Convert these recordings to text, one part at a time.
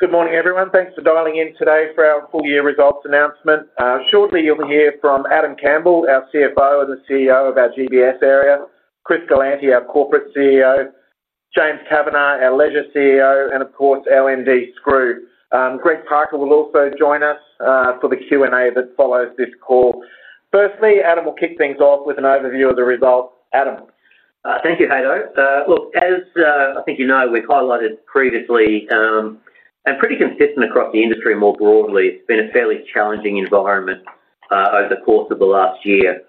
Good morning, everyone. Thanks for dialing in today for our full-year results announcement. Shortly, you'll hear from Adam Campbell, our CFO and the CEO of our Global Business Services division, Chris Galanty, our Corporate CEO, James Kavanagh, our Leisure CEO, and of course, our MD, Skroo. Greg Parker will also join us for the Q&A that follows this call. Firstly, Adam will kick things off with an overview of the results. Adam. Thank you, Haydn. As I think you know, we've highlighted previously a pretty consistent across the industry more broadly, it's been a fairly challenging environment over the course of the last year,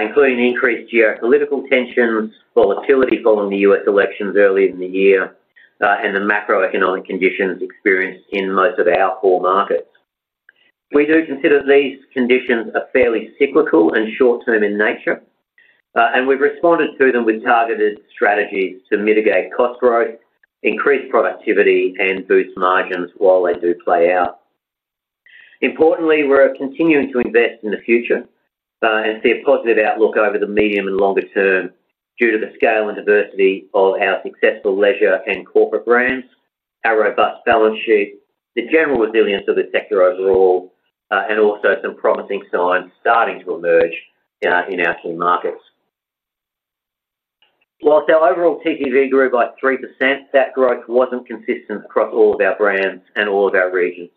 including increased geopolitical tension, volatility following the U.S. elections earlier in the year, and the macroeconomic conditions experienced in most of our four markets. We do consider these conditions fairly cyclical and short-term in nature, and we've responded to them with targeted strategies to mitigate cost growth, increase productivity, and boost margins while they do play out. Importantly, we're continuing to invest in the future and see a positive outlook over the medium and longer term due to the scale and diversity of our successful leisure and corporate brands, our robust balance sheet, the general resilience of the sector overall, and also some promising signs starting to emerge in our key markets. Whilst our overall TTV grew by 3%, that growth wasn't consistent across all of our brands and all of our regions.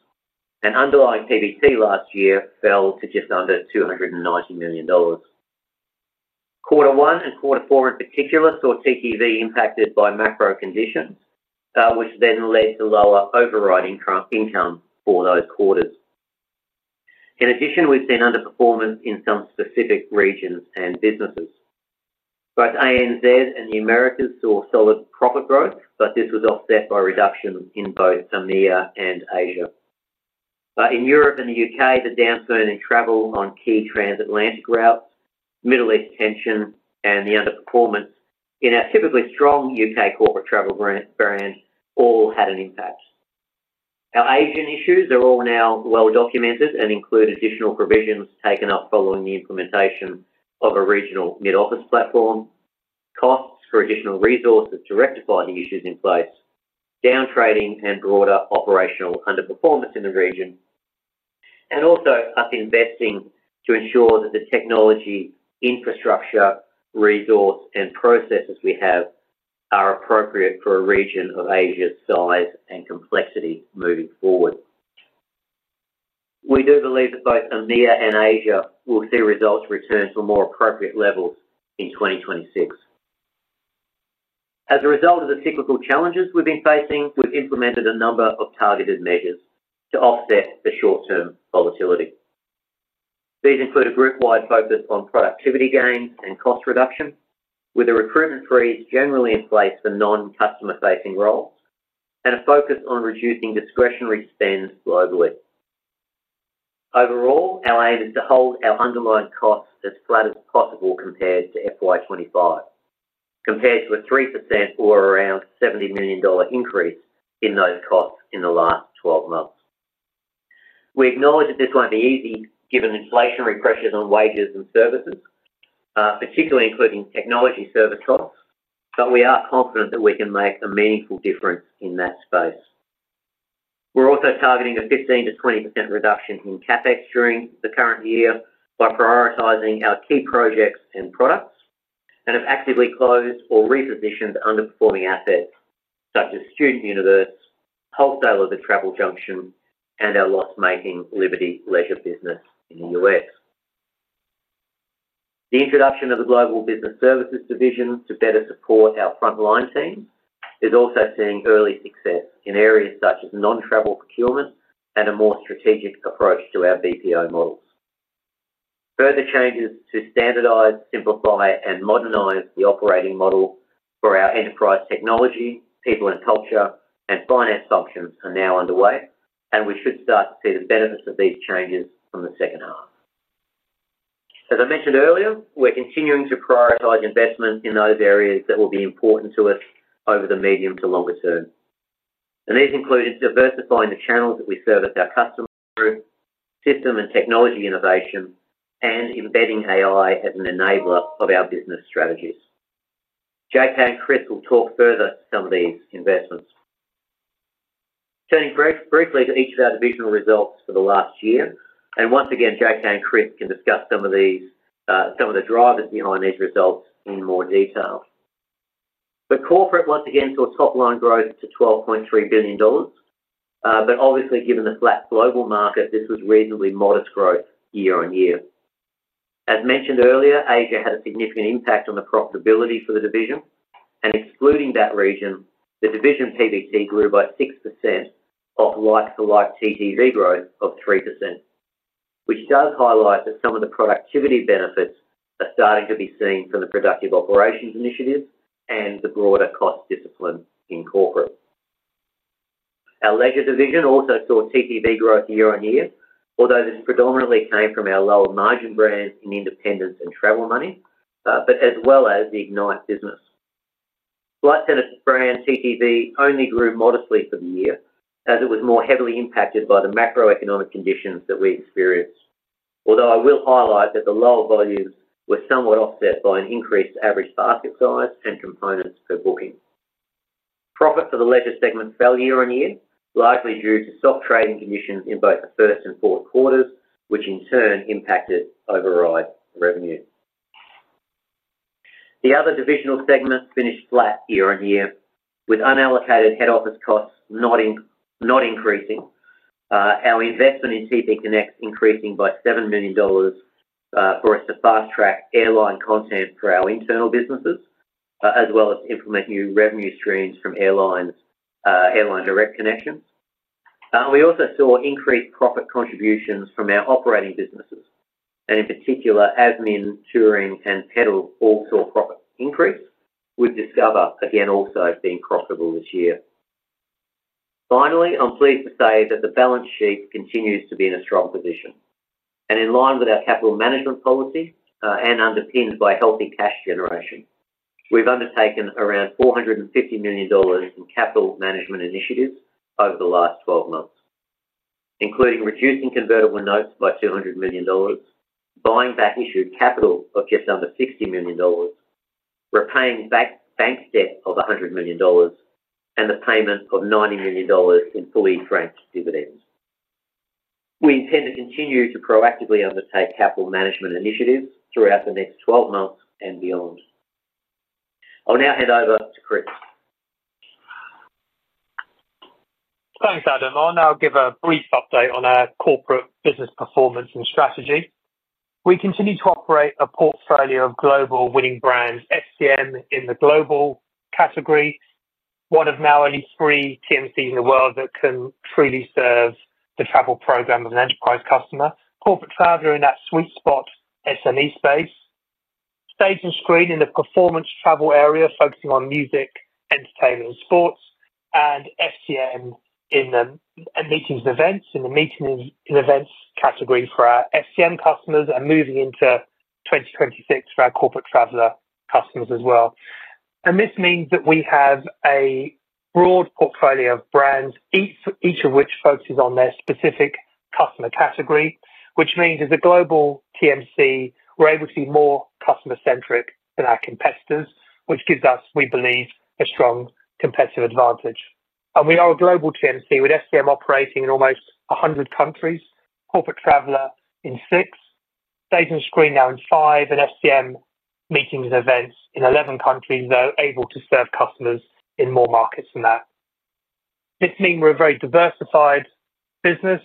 Underlying PBT last year fell to just under $290 million. Quarter one and quarter four in particular saw TPV impacted by macro conditions, which then led to lower overriding income for those quarters. In addition, we've seen underperformance in some specific regions and businesses. Both ANZ and the Americas saw solid profit growth, but this was offset by reduction in both EMEA and Asia. In Europe and the U.K., the downturn in travel on key transatlantic routes, Middle East tension, and the underperformance in our typically strong U.K. corporate travel brand all had an impact. Our Asian issues are all now well-documented and include additional provisions taken up following the implementation of a regional mid-office platform, costs for additional resources to rectify the issues in place, downtrading, and broader operational underperformance in the region, and also us investing to ensure that the technology, infrastructure, resource, and processes we have are appropriate for a region of Asia's size and complexity moving forward. We do believe that both EMEA and Asia will see results return to a more appropriate level in 2026. As a result of the cyclical challenges we've been facing, we've implemented a number of targeted measures to offset the short-term volatility. These include a group-wide focus on productivity gains and cost reduction, with a recruitment freeze generally in place for non-customer-facing roles, and a focus on reducing discretionary spend globally. Overall, our aim is to hold our underlying costs as flat as possible compared to FY 2025, compared to a 3% or around $70 million increase in those costs in the last 12 months. We acknowledge that this won't be easy given inflationary pressures on wages and services, particularly including technology service costs, but we are confident that we can make a meaningful difference in that space. We're also targeting a 15%-20% reduction in CapEx during the current year by prioritizing our key projects and products and have actively closed or repositioned underperforming assets such as StudentUniverse, wholesale of The Travel Junction, and our loss-making Liberty Leisure business in the U.S. The introduction of the Global Business Services division to better support our frontline team is also seeing early success in areas such as non-travel procurement and a more strategic approach to our BPO models. Further changes to standardize, simplify, and modernize the operating model for our enterprise technology, people and culture, and finance functions are now underway, and we should start to see the benefits of these changes from the second half. As I mentioned earlier, we're continuing to prioritize investment in those areas that will be important to us over the medium to longer term. These include diversifying the channels that we service our customers through, system and technology innovation, and embedding AI as an enabler of our business strategies. JK and Chris will talk further to some of these investments. Turning briefly to each of our divisional results for the last year, and once again, JK and Chris can discuss some of these, some of the drivers behind these results in more detail. Corporate, once again, saw top-line growth to $12.3 billion. Obviously, given the flat global market, this was reasonably modest growth year-on-year. As mentioned earlier, Asia had a significant impact on the profitability for the division, and excluding that region, the division's PBT grew by 6% off like-for-like TTV growth of 3%, which does highlight that some of the productivity benefits are starting to be seen from the Productive Operations Initiative and the broader cost discipline in corporate. Our leisure division also saw TTV growth year-on-year, although this predominantly came from our lower margin brands in independent and Travel Money, as well as the Ignite business. Flight Centre's brand TTV only grew modestly for the year, as it was more heavily impacted by the macro-economic conditions that we experienced, although I will highlight that the lower volume was somewhat offset by an increased average basket size and components per booking. Profit for the leisure segment fell year-on-year, largely due to soft trading conditions in both the first and fourth quarters, which in turn impacted override revenue. The other divisional segments finished flat year-on-year, with unallocated head office costs not increasing, our investment in TP Connects increasing by $7 million for us to fast-track airline content for our internal businesses, as well as implementing new revenue streams from airline direct connection. We also saw increased profit contributions from our operating businesses, and in particular, admin, touring, and pedal all saw profit increase, with Discover again also being profitable this year. Finally, I'm pleased to say that the balance sheet continues to be in a strong position. In line with our capital management policy and underpinned by healthy cash generation, we've undertaken around $450 million in capital management initiatives over the last 12 months, including reducing convertible notes by $200 million, buying back issued capital of just under $60 million, repaying bank debt of $100 million, and the payment of $90 million in fully franked dividends. We intend to continue to proactively undertake capital management initiatives throughout the next 12 months and beyond. I'll now hand over to Chris. Thanks, Adam. I'll now give a brief update on our corporate business performance and strategy. We continue to operate a portfolio of global winning brands, FCM Travel Solutions in the global category, one of now only three TMCs in the world that can truly serve the travel program of an enterprise customer, Corporate Traveler in that sweet spot SME space, Stage and Screen in the performance travel area, focusing on music, entertainment, and sports, and FCM Travel Solutions in the meetings and events category for our FCM customers and moving into 2026 for our Corporate Traveler customers as well. This means that we have a broad portfolio of brands, each of which focuses on their specific customer category, which means as a global TMC, we're able to be more customer-centric than our competitors, which gives us, we believe, a strong competitive advantage. We are a global TMC with FCM Travel Solutions operating in almost 100 countries, Corporate Traveler in six, Stage and Screen now in five, and FCM meetings and events in 11 countries, though able to serve customers in more markets than that. This means we're a very diversified business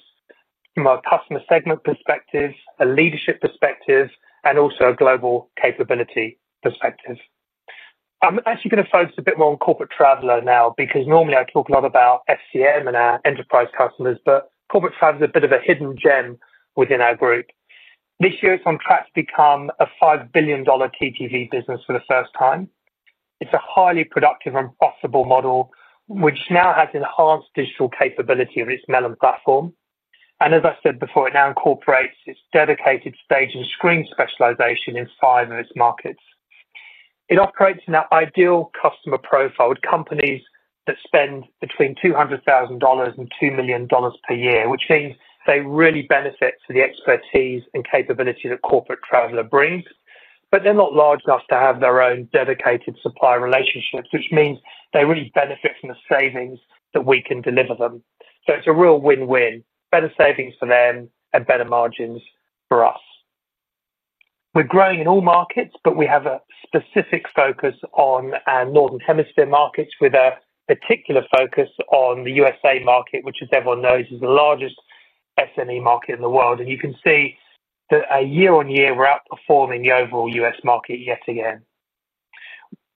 from a customer segment perspective, a leadership perspective, and also a global capability perspective. I'm actually going to focus a bit more on Corporate Traveler now because normally I talk a lot about FCM Travel Solutions and our enterprise customers, but Corporate Traveler is a bit of a hidden gem within our group. This year, it's on track to become a $5 billion TTV business for the first time. It's a highly productive and profitable model, which now has enhanced digital capability of its Melon platform. As I said before, it now incorporates its dedicated Stage and Screen specialization in five of its markets. It operates in our ideal customer profile with companies that spend between $200,000 and $2 million per year, which means they really benefit from the expertise and capability that Corporate Traveler brings, but they're not large enough to have their own dedicated supplier relationships, which means they really benefit from the savings that we can deliver them. It's a real win-win, better savings for them and better margins for us. We're growing in all markets, but we have a specific focus on our Northern Hemisphere markets with a particular focus on the USA market, which, as everyone knows, is the largest SME market in the world. You can see that year-on-year, we're outperforming the overall U.S. market yet again.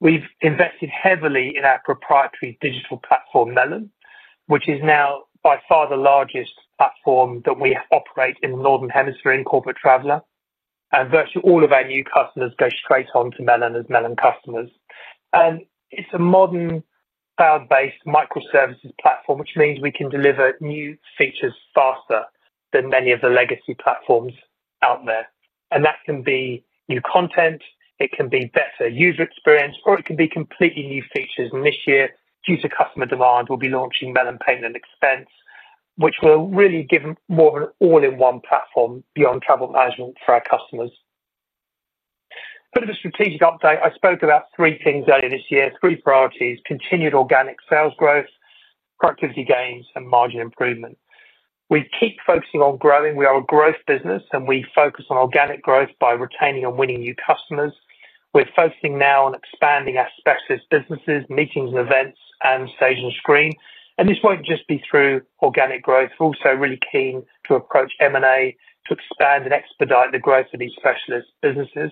We've invested heavily in our proprietary digital platform, Melon, which is now by far the largest platform that we operate in the Northern Hemisphere in Corporate Traveler. Virtually all of our new customers go straight on to Melon as Melon customers. It's a modern cloud-based microservices platform, which means we can deliver new features faster than many of the legacy platforms out there. That can be new content, it can be better user experience, or it can be completely new features. This year, due to customer demand, we'll be launching Melon Payment and Expense, which will really give more of an all-in-one platform beyond travel management for our customers. A bit of a strategic update. I spoke about three things earlier this year, three priorities: continued organic sales growth, productivity gains, and margin improvement. We keep focusing on growing. We are a growth business, and we focus on organic growth by retaining and winning new customers. We're focusing now on expanding our specialist businesses, meetings and events, and Stage and Screen. This won't just be through organic growth. We're also really keen to approach M&A to expand and expedite the growth of these specialist businesses.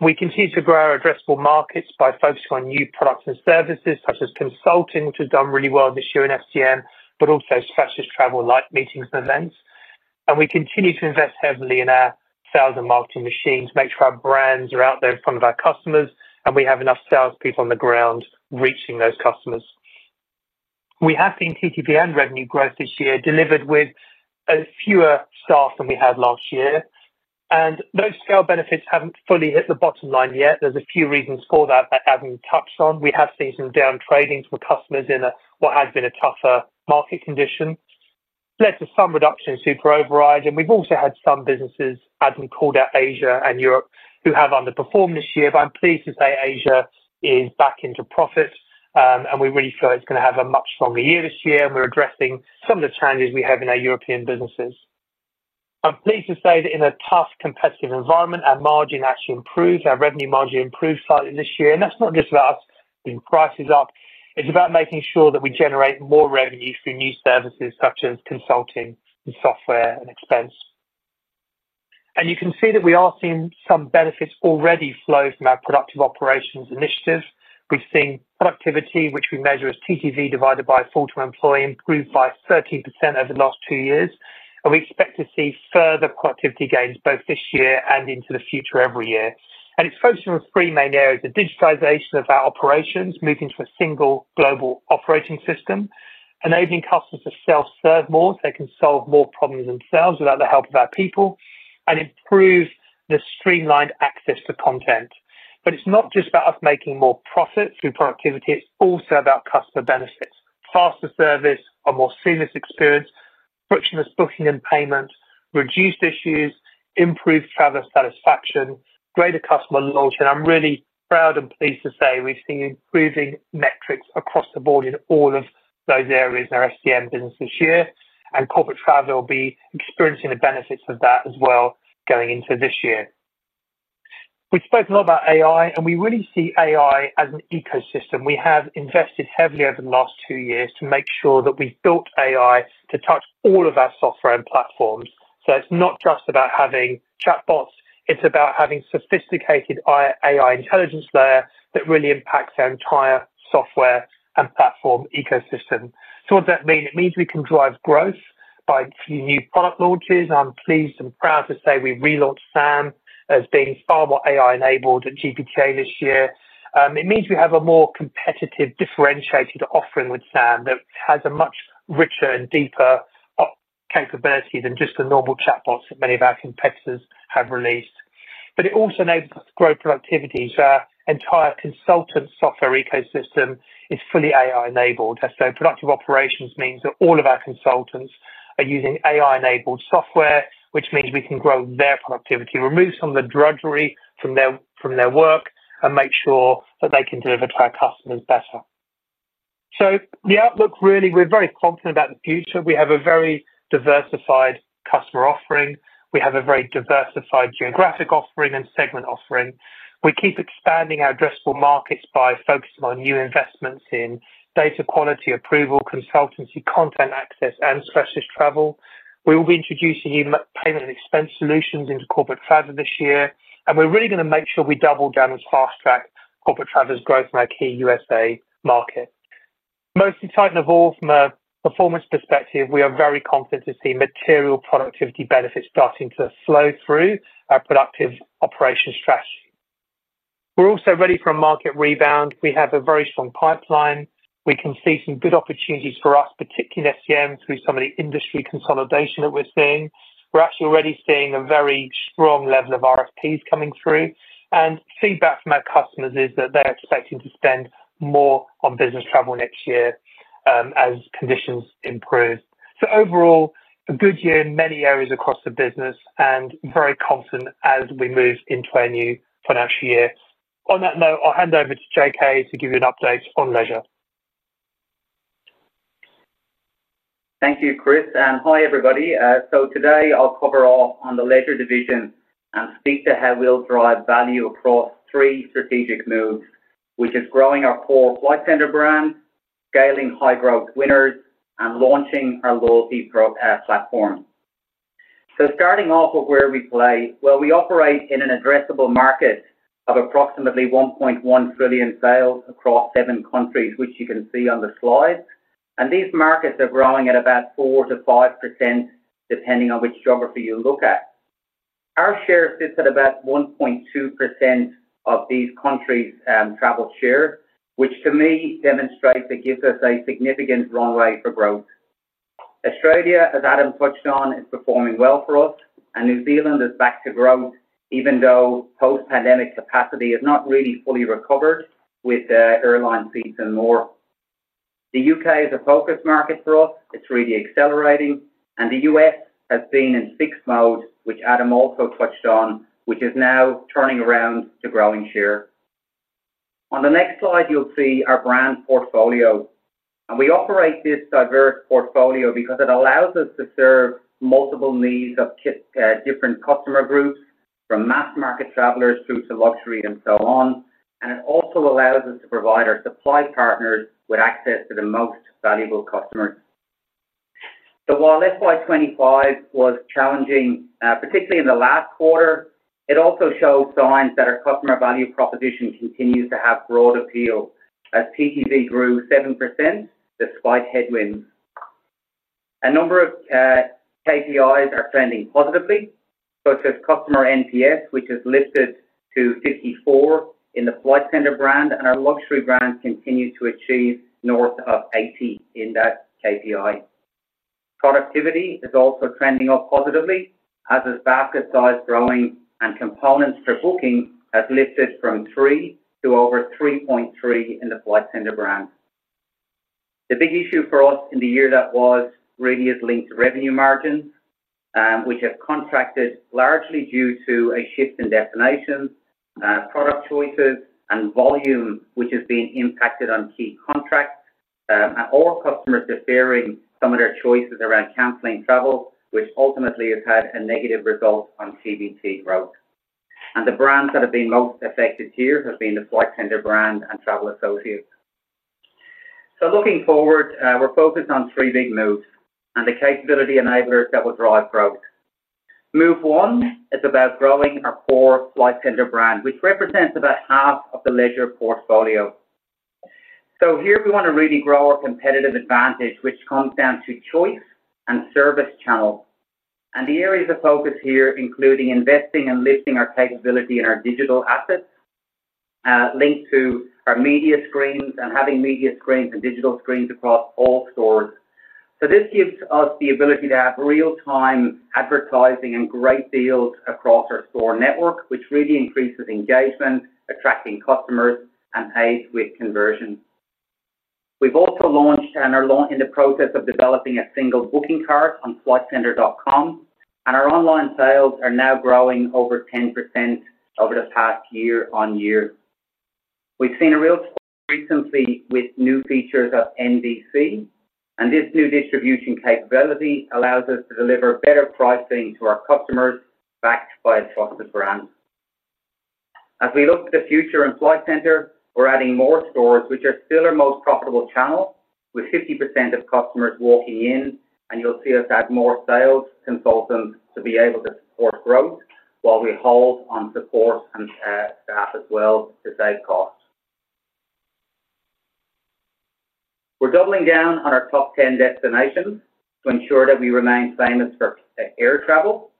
We continue to grow our addressable markets by focusing on new products and services such as consulting, which has done really well this year in FCM Travel Solutions, but also specialist travel like meetings and events. We continue to invest heavily in our sales and marketing machines to make sure our brands are out there in front of our customers and we have enough salespeople on the ground reaching those customers. We have seen TTV and revenue growth this year delivered with fewer staff than we had last year. Those scale benefits haven't fully hit the bottom line yet. There's a few reasons for that that I haven't touched on. We have seen some downtrading from customers in what has been a tougher market condition, which led to some reduction in super override. We've also had some businesses, as we called out Asia and Europe, who have underperformed this year. I'm pleased to say Asia is back into profit, and we really feel it's going to have a much stronger year this year. We're addressing some of the challenges we have in our European businesses. I'm pleased to say that in a tough competitive environment, our margin actually improved. Our revenue margin improved slightly this year. That's not just about us keeping prices up. It's about making sure that we generate more revenue through new services such as consulting and software and expense. You can see that we are seeing some benefits already flow from our Productive Operations Initiative. We've seen productivity, which we measure as TTV divided by full-time employee, improved by 13% over the last two years. We expect to see further productivity gains both this year and into the future every year. It's focusing on three main areas: the digitization of our operations, moving to a single global operating system, enabling customers to self-serve more so they can solve more problems themselves without the help of our people, and improve the streamlined access to content. It's not just about us making more profit through productivity. It's also about customer benefits: faster service, a more seamless experience, frictionless booking and payment, reduced issues, improved traveler satisfaction, greater customer loyalty. I'm really proud and pleased to say we've seen improving metrics across the board in all of those areas in our FCM Travel Solutions business this year. Corporate Traveler will be experiencing the benefits of that as well going into this year. We spoke a lot about AI, and we really see AI as an ecosystem. We have invested heavily over the last two years to make sure that we've built AI to touch all of our software and platforms. It's not just about having chatbots. It's about having sophisticated AI intelligence there that really impacts our entire software and platform ecosystem. What does that mean? It means we can drive growth by new product launches. I'm pleased and proud to say we relaunched Sam as being far more AI-enabled at GPTA this year. It means we have a more competitive, differentiated offering with Sam that has a much richer and deeper capability than just the normal chatbots that many of our competitors have released. It also enables growth productivity. Our entire consultant software ecosystem is fully AI-enabled. Productive Operations means that all of our consultants are using AI-enabled software, which means we can grow their productivity, remove some of the drudgery from their work, and make sure that they can deliver to our customers better. The outlook really, we're very confident about the future. We have a very diversified customer offering. We have a very diversified geographic offering and segment offering. We keep expanding our addressable markets by focusing on new investments in data quality approval, consultancy, content access, and specialist travel. We will be introducing new payment and expense solutions into corporate travel this year. We're really going to make sure we double down and fast-track Corporate Traveler's growth in our key USA market. Mostly tight and evolved from a performance perspective, we are very confident to see material productivity benefits starting to flow through our Productive Operations strategy. We're also ready for a market rebound. We have a very strong pipeline, and we can see some good opportunities for us, particularly in FCM Travel Solutions, through some of the industry consolidation that we're seeing. We're actually already seeing a very strong level of RFPs coming through, and feedback from our customers is that they're expecting to spend more on business travel next year as conditions improve. Overall, a good year in many areas across the business and very confident as we move into our new financial year. On that note, I'll hand over to JK to give you an update on leisure. Thank you, Chris. Hi, everybody. Today, I'll cover off on the leisure division and speak to how we'll drive value across three strategic moves, which is growing our core Flight Centre brand, scaling high-growth winners, and launching our loyalty throughout our platform. Starting off with where we play, we operate in an addressable market of approximately $1.1 trillion sales across seven countries, which you can see on the slide. These markets are growing at about 4%-5%, depending on which geography you look at. Our share sits at about 1.2% of these countries' travel shares, which to me demonstrates it gives us a significant runway for growth. Australia, as Adam touched on, is performing well for us. New Zealand is back to growth, even though post-pandemic capacity has not really fully recovered with airline fees and more. The U.K. is a focused market for us. It's really accelerating. The U.S. has been in fixed mode, which Adam also touched on, which is now turning around to growing share. On the next slide, you'll see our brand portfolio. We operate this diverse portfolio because it allows us to serve multiple needs of different customer groups, from mass market travelers through to luxury and so on. It also allows us to provide our supply partners with access to the most valuable customers. FY 2025 was challenging, particularly in the last quarter, but it also showed signs that our customer value proposition continues to have broad appeal as TTV grew 7% despite headwinds. A number of KPIs are trending positively, such as customer NPS, which is listed to 54 in the Flight Centre brand, and our luxury brand continues to achieve north of 80 in that KPI. Productivity is also trending up positively, as is basket size growing, and components per booking has listed from 3 to over 3.3 in the Flight Centre brand. The big issue for us in the year that was really is linked to revenue margins, which have contracted largely due to a shift in destination, product choices, and volume, which has been impacted on key contracts, and all customers deferring some of their choices around cancelling travel, which ultimately has had a negative result on CBT growth. The brands that have been most affected here have been the Flight Centre brand and Travel Associates. Looking forward, we're focused on three big moves and the capability enablers that will drive growth. Move one is about growing our core Flight Centre brand, which represents about half of the leisure portfolio. Here we want to really grow our competitive advantage, which comes down to choice and service channel. The areas of focus here include investing and lifting our capability in our digital assets, linked to our media screens and having media screens and digital screens across all stores. This gives us the ability to have real-time advertising and great deals across our store network, which really increases engagement, attracting customers, and pays with conversion. We've also launched and are in the process of developing a single booking card on FlightCentre.com. Our online sales are now growing over 10% year-on-year. We've seen a real uplift recently with new features of NDC. This new distribution capability allows us to deliver better pricing to our customers backed by a trusted brand. As we look to the future in Flight Centre, we're adding more stores, which are still our most profitable channel, with 50% of customers walking in. You'll see us add more sales consultants to be able to support growth while we hold on support and staff as well to save costs. We're doubling down on our top 10 destinations to ensure that we remain famous for air travel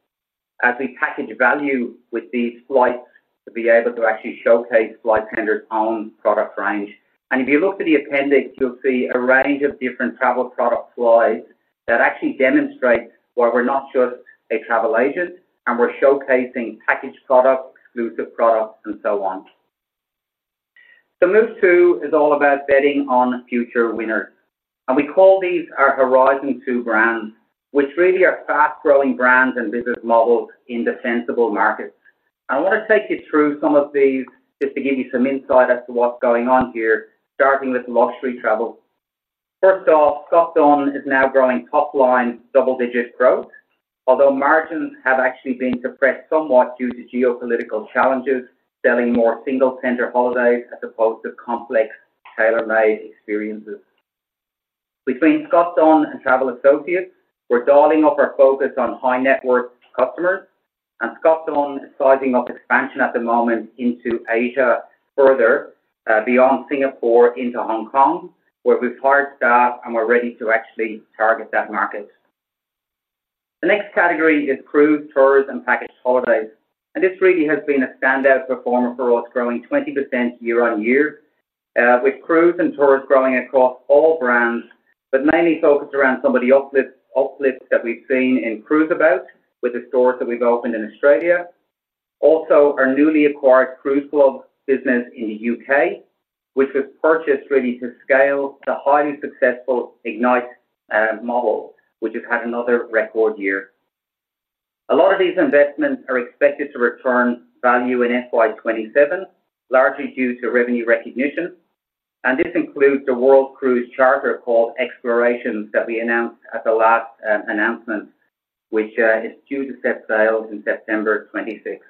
as we package value with these flights to be able to actually showcase Flight Centre's own product range. If you look to the appendix, you'll see a range of different travel product slides that actually demonstrate why we're not just a travel agent, and we're showcasing packaged products, exclusive products, and so on. Move two is all about betting on future winners. We call these our Horizon 2 brands, which really are fast-growing brands and business models in defensible markets. I want to take you through some of these just to give you some insight as to what's going on here, starting with luxury travel. First off, Scott Dunn is now growing top-line double-digit growth, although margins have actually been suppressed somewhat due to geopolitical challenges, selling more single-centre holidays as opposed to complex tailor-made experiences. Between Scott Dunn and Travel Associates, we're dialling off our focus on high-net-worth customers. Scott Dunn is sizing up expansion at the moment into Asia further, beyond Singapore into Hong Kong, where we've hired staff and we're ready to actually target that market. The next category is cruise, tourism, and packaged holidays. This really has been a standout performer for us, growing 20% year-on-year, with cruise and tours growing across all brands, but mainly focused around some of the uplifts that we've seen in Cruiseabout with the stores that we've opened in Australia. Also, our newly acquired cruise club business in the U.K., which we've purchased really to scale the highly successful Ignite model, which has had another record year. A lot of these investments are expected to return value in FY 2027, largely due to revenue recognition. This includes the World Cruise Charter called Explorations that we announced at the last announcement, which is due to set sail in September 2026.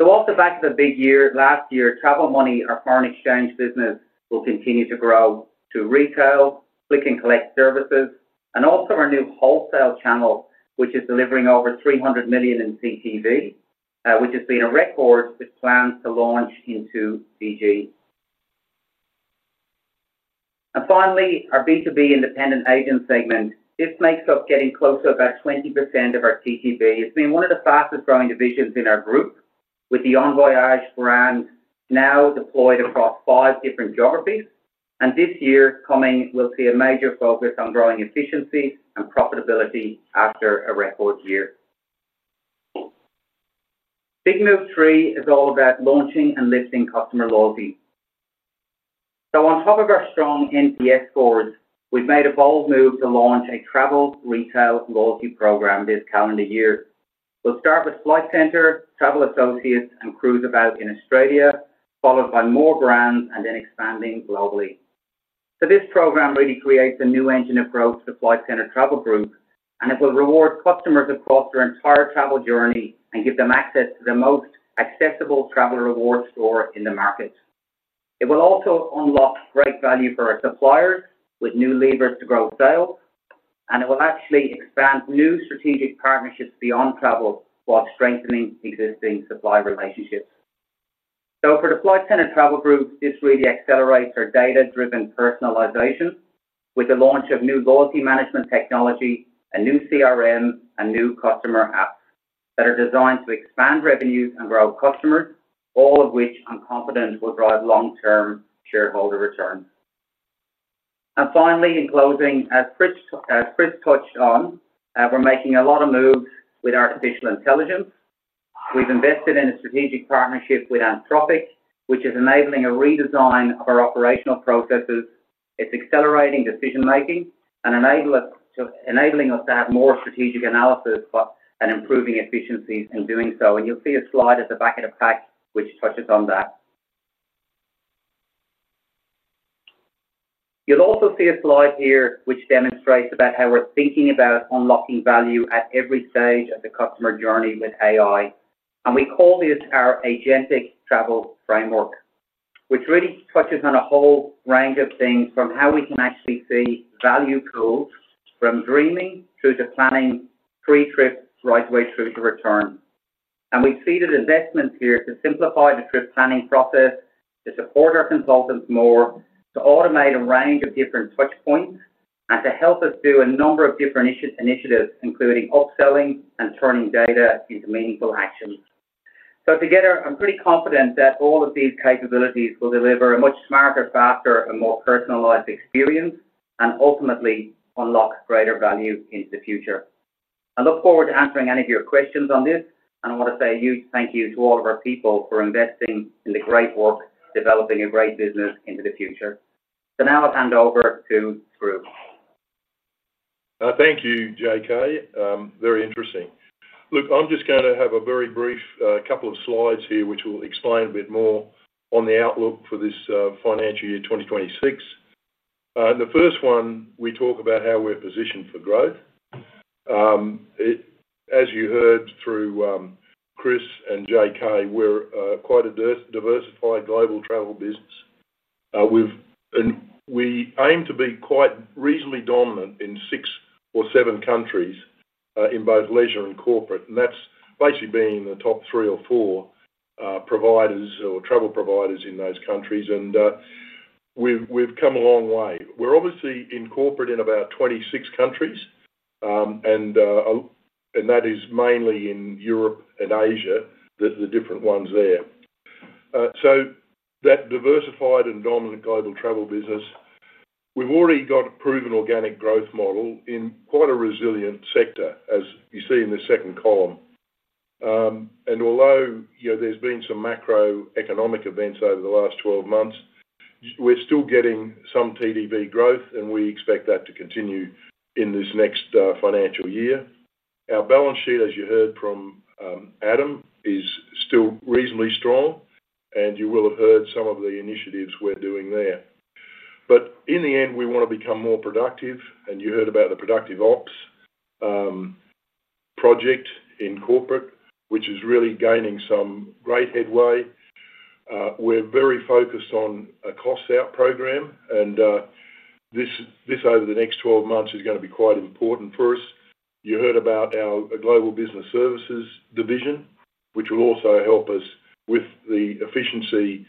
Whilst the back of the big year last year, Travel Money, our foreign exchange business, will continue to grow to retail, click and collect services, and also our new wholesale channel, which is delivering over $300 million in TTV, which has been a record with plans to launch into Fiji. Finally, our B2B independent agent segment, this makes us getting closer to about 20% of our TTV. It's been one of the fastest growing divisions in our group, with the Envoyage brand now deployed across five different geographies. This year coming, we'll see a major focus on growing efficiency and profitability after a record year. Big move three is all about launching and lifting customer loyalty. On top of our strong NPS board, we've made a bold move to launch a travel retail loyalty program this calendar year. We'll start with Flight Centre, Travel Associates, and Cruiseabout in Australia, followed by more brands and then expanding globally. This program really creates a new engine approach to Flight Centre Travel Group, and it will reward customers across their entire travel journey and give them access to the most accessible travel rewards store in the market. It will also unlock great value for our suppliers with new levers to grow sales, and it will actually expand new strategic partnerships beyond travel while strengthening existing supply relationships. For the Flight Centre Travel Group, this really accelerates our data-driven personalisation with the launch of new loyalty management technology, a new CRM, and new customer apps that are designed to expand revenues and grow customers, all of which I'm confident will drive long-term shareholder returns. Finally, in closing, as Chris touched on, we're making a lot of moves with artificial intelligence. We've invested in a strategic partnership with Anthropic, which is enabling a redesign of our operational processes. It's accelerating decision-making and enabling us to have more strategic analysis and improving efficiencies in doing so. You'll see a slide at the back of the pack which touches on that. You'll also see a slide here which demonstrates how we're thinking about unlocking value at every stage of the customer journey with AI. We call this our agentic travel framework, which really touches on a whole range of things from how we can actually see value pools from dreaming through to planning pre-trip right the way through to return. We've seeded investments here to simplify the trip planning process, to support our consultants more, to automate a range of different touchpoints, and to help us do a number of different initiatives, including upselling and turning data into meaningful action. Together, I'm pretty confident that all of these capabilities will deliver a much smarter, faster, and more personalised experience and ultimately unlock greater value into the future. I look forward to answering any of your questions on this, and I want to say a huge thank you to all of our people for investing in the great work, developing a great business into the future. Now I'll hand over to Skroo. Thank you, JK. Very interesting. Look, I'm just going to have a very brief couple of slides here which will explain a bit more on the outlook for this financial year 2026. In the first one, we talk about how we're positioned for growth. As you heard through Chris and JK, we're quite a diversified global travel business. We aim to be quite reasonably dominant in six or seven countries in both leisure and corporate, and that's basically being the top three or four providers or travel providers in those countries. We've come a long way. We're obviously in corporate in about 26 countries, and that is mainly in Europe and Asia, the different ones there. That diversified and dominant global travel business, we've already got a proven organic growth model in quite a resilient sector, as you see in the second column. Although there's been some macro-economic events over the last 12 months, we're still getting some TTV growth, and we expect that to continue in this next financial year. Our balance sheet, as you heard from Adam, is still reasonably strong, and you will have heard some of the initiatives we're doing there. In the end, we want to become more productive, and you heard about the Productive Ops project in corporate, which is really gaining some great headway. We're very focused on a cost-out program, and this over the next 12 months is going to be quite important for us. You heard about our Global Business Services division, which will also help us with the efficiency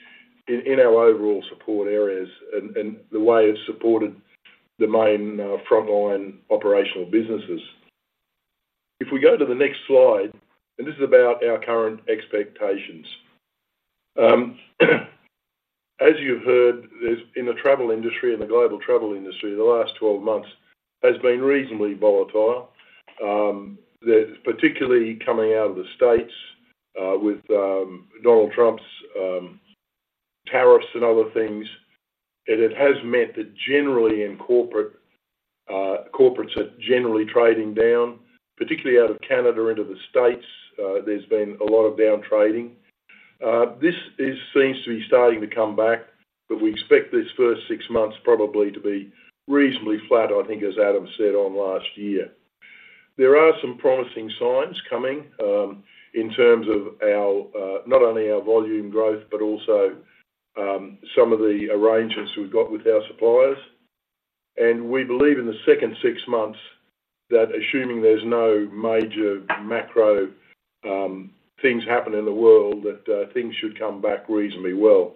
in our overall support areas and the way it's supported the main frontline operational businesses. If we go to the next slide, this is about our current expectations. As you've heard, the travel industry and the global travel industry in the last 12 months has been reasonably volatile, particularly coming out of the States with Donald Trump's tariffs and other things. It has meant that generally in corporate, corporates are generally trading down, particularly out of Canada into the States. There's been a lot of downtrading. This seems to be starting to come back, but we expect this first six months probably to be reasonably flat, I think, as Adam said on last year. There are some promising signs coming in terms of not only our volume growth but also some of the arrangements we've got with our suppliers. We believe in the second six months that assuming there's no major macro things happen in the world, things should come back reasonably well.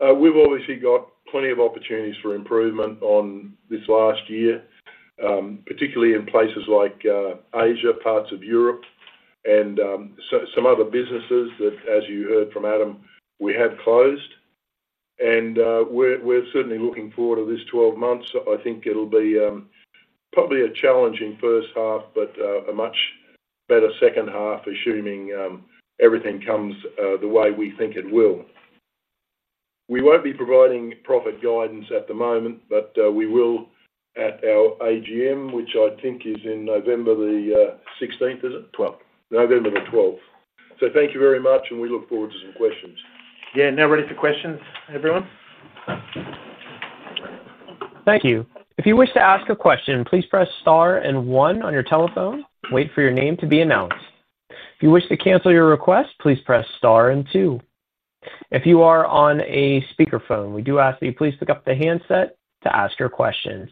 We've obviously got plenty of opportunities for improvement on this last year, particularly in places like Asia, parts of Europe, and some other businesses that, as you heard from Adam, we have closed. We're certainly looking forward to this 12 months. I think it'll be probably a challenging first half, but a much better second half assuming everything comes the way we think it will. We won't be providing profit guidance at the moment, but we will at our AGM, which I think is on November 16th, is it? 12th. November 12th. Thank you very much, and we look forward to some questions. Yeah, now ready for questions, everyone. Thank you. If you wish to ask a question, please press star and one on your telephone. Wait for your name to be announced. If you wish to cancel your request, please press star and two. If you are on a speakerphone, we do ask that you please pick up the handset to ask your questions.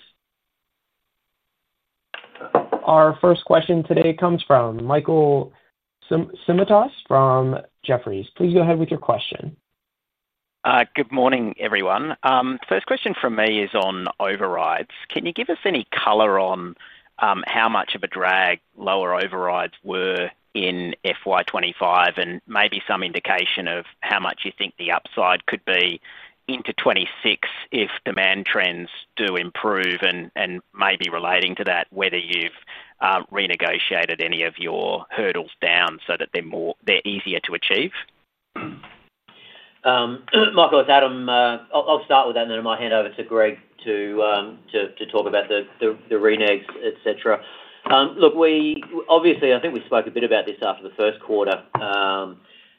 Our first question today comes from Michael Simotas from Jefferies. Please go ahead with your question. Good morning, everyone. The first question from me is on overrides. Can you give us any color on how much of a drag lower overrides were in FY 2025 and maybe some indication of how much you think the upside could be into 2026 if demand trends do improve? Maybe relating to that, whether you've renegotiated any of your hurdles down so that they're easier to achieve? Michael, it's Adam. I'll start with that, and then I'll hand over to Greg to talk about the renege, et cetera. Look, we obviously, I think we spoke a bit about this after the first quarter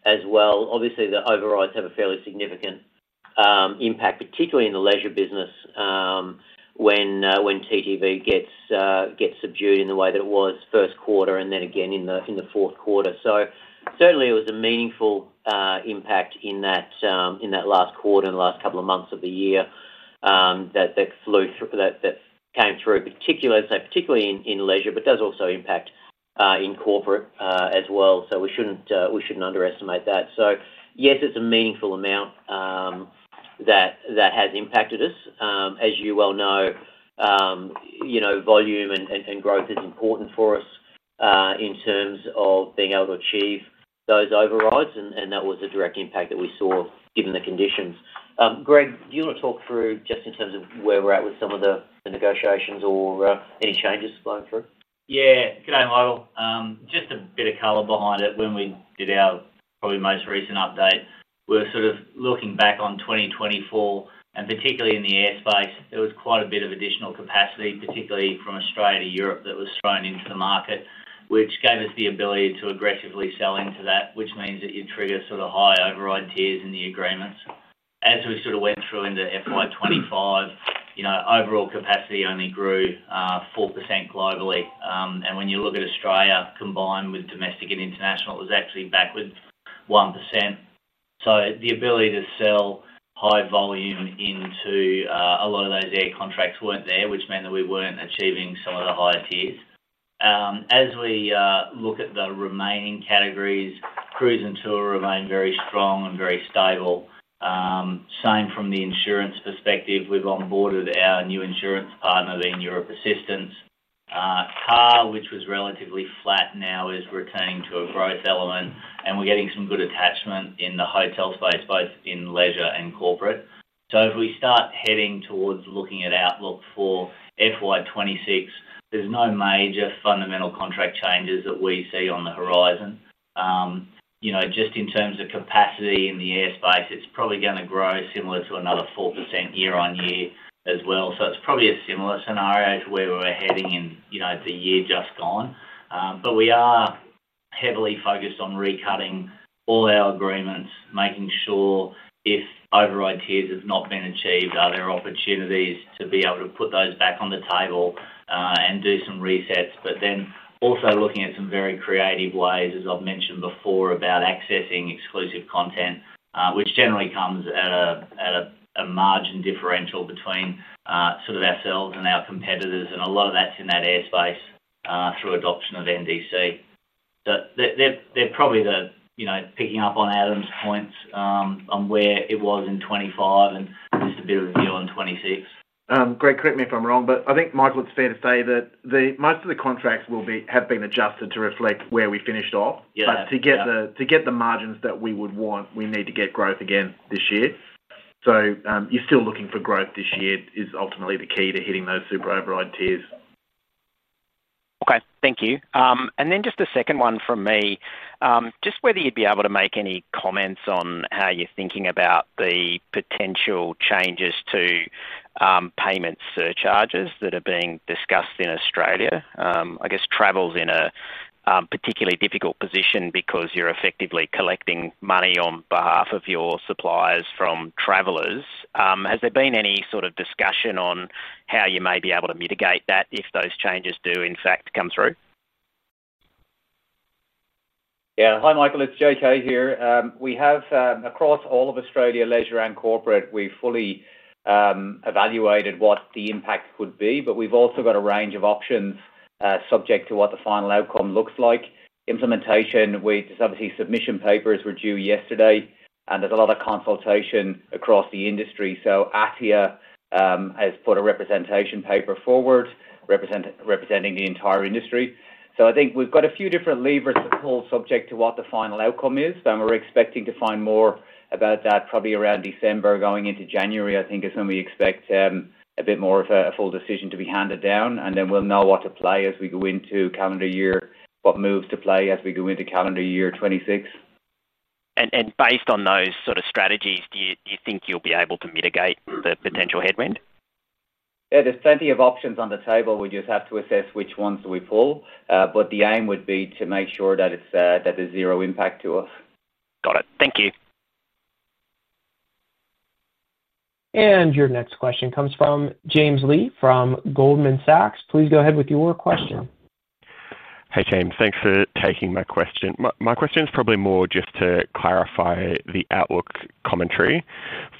as well. Obviously, the overrides have a fairly significant impact, particularly in the leisure business when TTV gets subdued in the way that it was first quarter and then again in the fourth quarter. It was a meaningful impact in that last quarter and the last couple of months of the year that came through, particularly in leisure, but does also impact in corporate as well. We shouldn't underestimate that. Yes, it's a meaningful amount that has impacted us. As you well know, volume and growth is important for us in terms of being able to achieve those overrides, and that was a direct impact that we saw given the conditions. Greg, do you want to talk through just in terms of where we're at with some of the negotiations or any changes flowing through? Yeah. Good day, Michael. Just a bit of color behind it. When we did our probably most recent update, we're sort of looking back on 2024, and particularly in the airspace, there was quite a bit of additional capacity, particularly from Australia to Europe, that was thrown into the market, which gave us the ability to aggressively sell into that, which means that you trigger sort of high override tiers in the agreements. As we went through into FY 2025, overall capacity only grew 4% globally. When you look at Australia combined with domestic and international, it was actually backwards 1%. The ability to sell high volume into a lot of those air contracts weren't there, which meant that we weren't achieving some of the higher tiers. As we look at the remaining categories, cruise and tour remain very strong and very stable. Same from the insurance perspective. We've onboarded our new insurance partner, the Europe Assistance. PA, which was relatively flat now, is retained to a growth element, and we're getting some good attachment in the hotel space, both in leisure and corporate. If we start heading towards looking at outlook for FY 2026, there's no major fundamental contract changes that we see on the horizon. In terms of capacity in the airspace, it's probably going to grow similar to another 4% year-on-year as well. It's probably a similar scenario to where we're heading in the year just gone. We are heavily focused on recutting all our agreements, making sure if override tiers have not been achieved, there are opportunities to be able to put those back on the table and do some resets. We are also looking at some very creative ways, as I've mentioned before, about accessing exclusive content, which generally comes at a margin differential between ourselves and our competitors. A lot of that's in that airspace through adoption of NDC. They're probably picking up on Adam's points on where it was in 2025 and just a bit of a view on 2026. Greg, correct me if I'm wrong, but I think, Michael, it's fair to say that most of the contracts have been adjusted to reflect where we finished off. To get the margins that we would want, we need to get growth again this year. You're still looking for growth this year, which is ultimately the key to hitting those super override tiers. Okay, thank you. Just the second one from me, just whether you'd be able to make any comments on how you're thinking about the potential changes to payment surcharges that are being discussed in Australia. I guess travel's in a particularly difficult position because you're effectively collecting money on behalf of your suppliers from travellers. Has there been any sort of discussion on how you may be able to mitigate that if those changes do, in fact, come through? Yeah. Hi, Michael. It's JK here. We have, across all of Australia, leisure and corporate, fully evaluated what the impact could be, but we've also got a range of options subject to what the final outcome looks like. Implementation, which is obviously submission papers were due yesterday, and there's a lot of consultation across the industry. ATIA has put a representation paper forward representing the entire industry. I think we've got a few different levers to pull subject to what the final outcome is. We're expecting to find more about that probably around December going into January, I think, is when we expect a bit more of a full decision to be handed down. Then we'll know what moves to play as we go into calendar year 2026. Based on those sort of strategies, do you think you'll be able to mitigate the potential headwind? Yeah, there's plenty of options on the table. We just have to assess which ones we pull, but the aim would be to make sure that it's a zero impact to us. Got it. Thank you. Your next question comes from James Lee from Goldman Sachs. Please go ahead with your question. Hey, James. Thanks for taking my question. My question's probably more just to clarify the outlook commentary.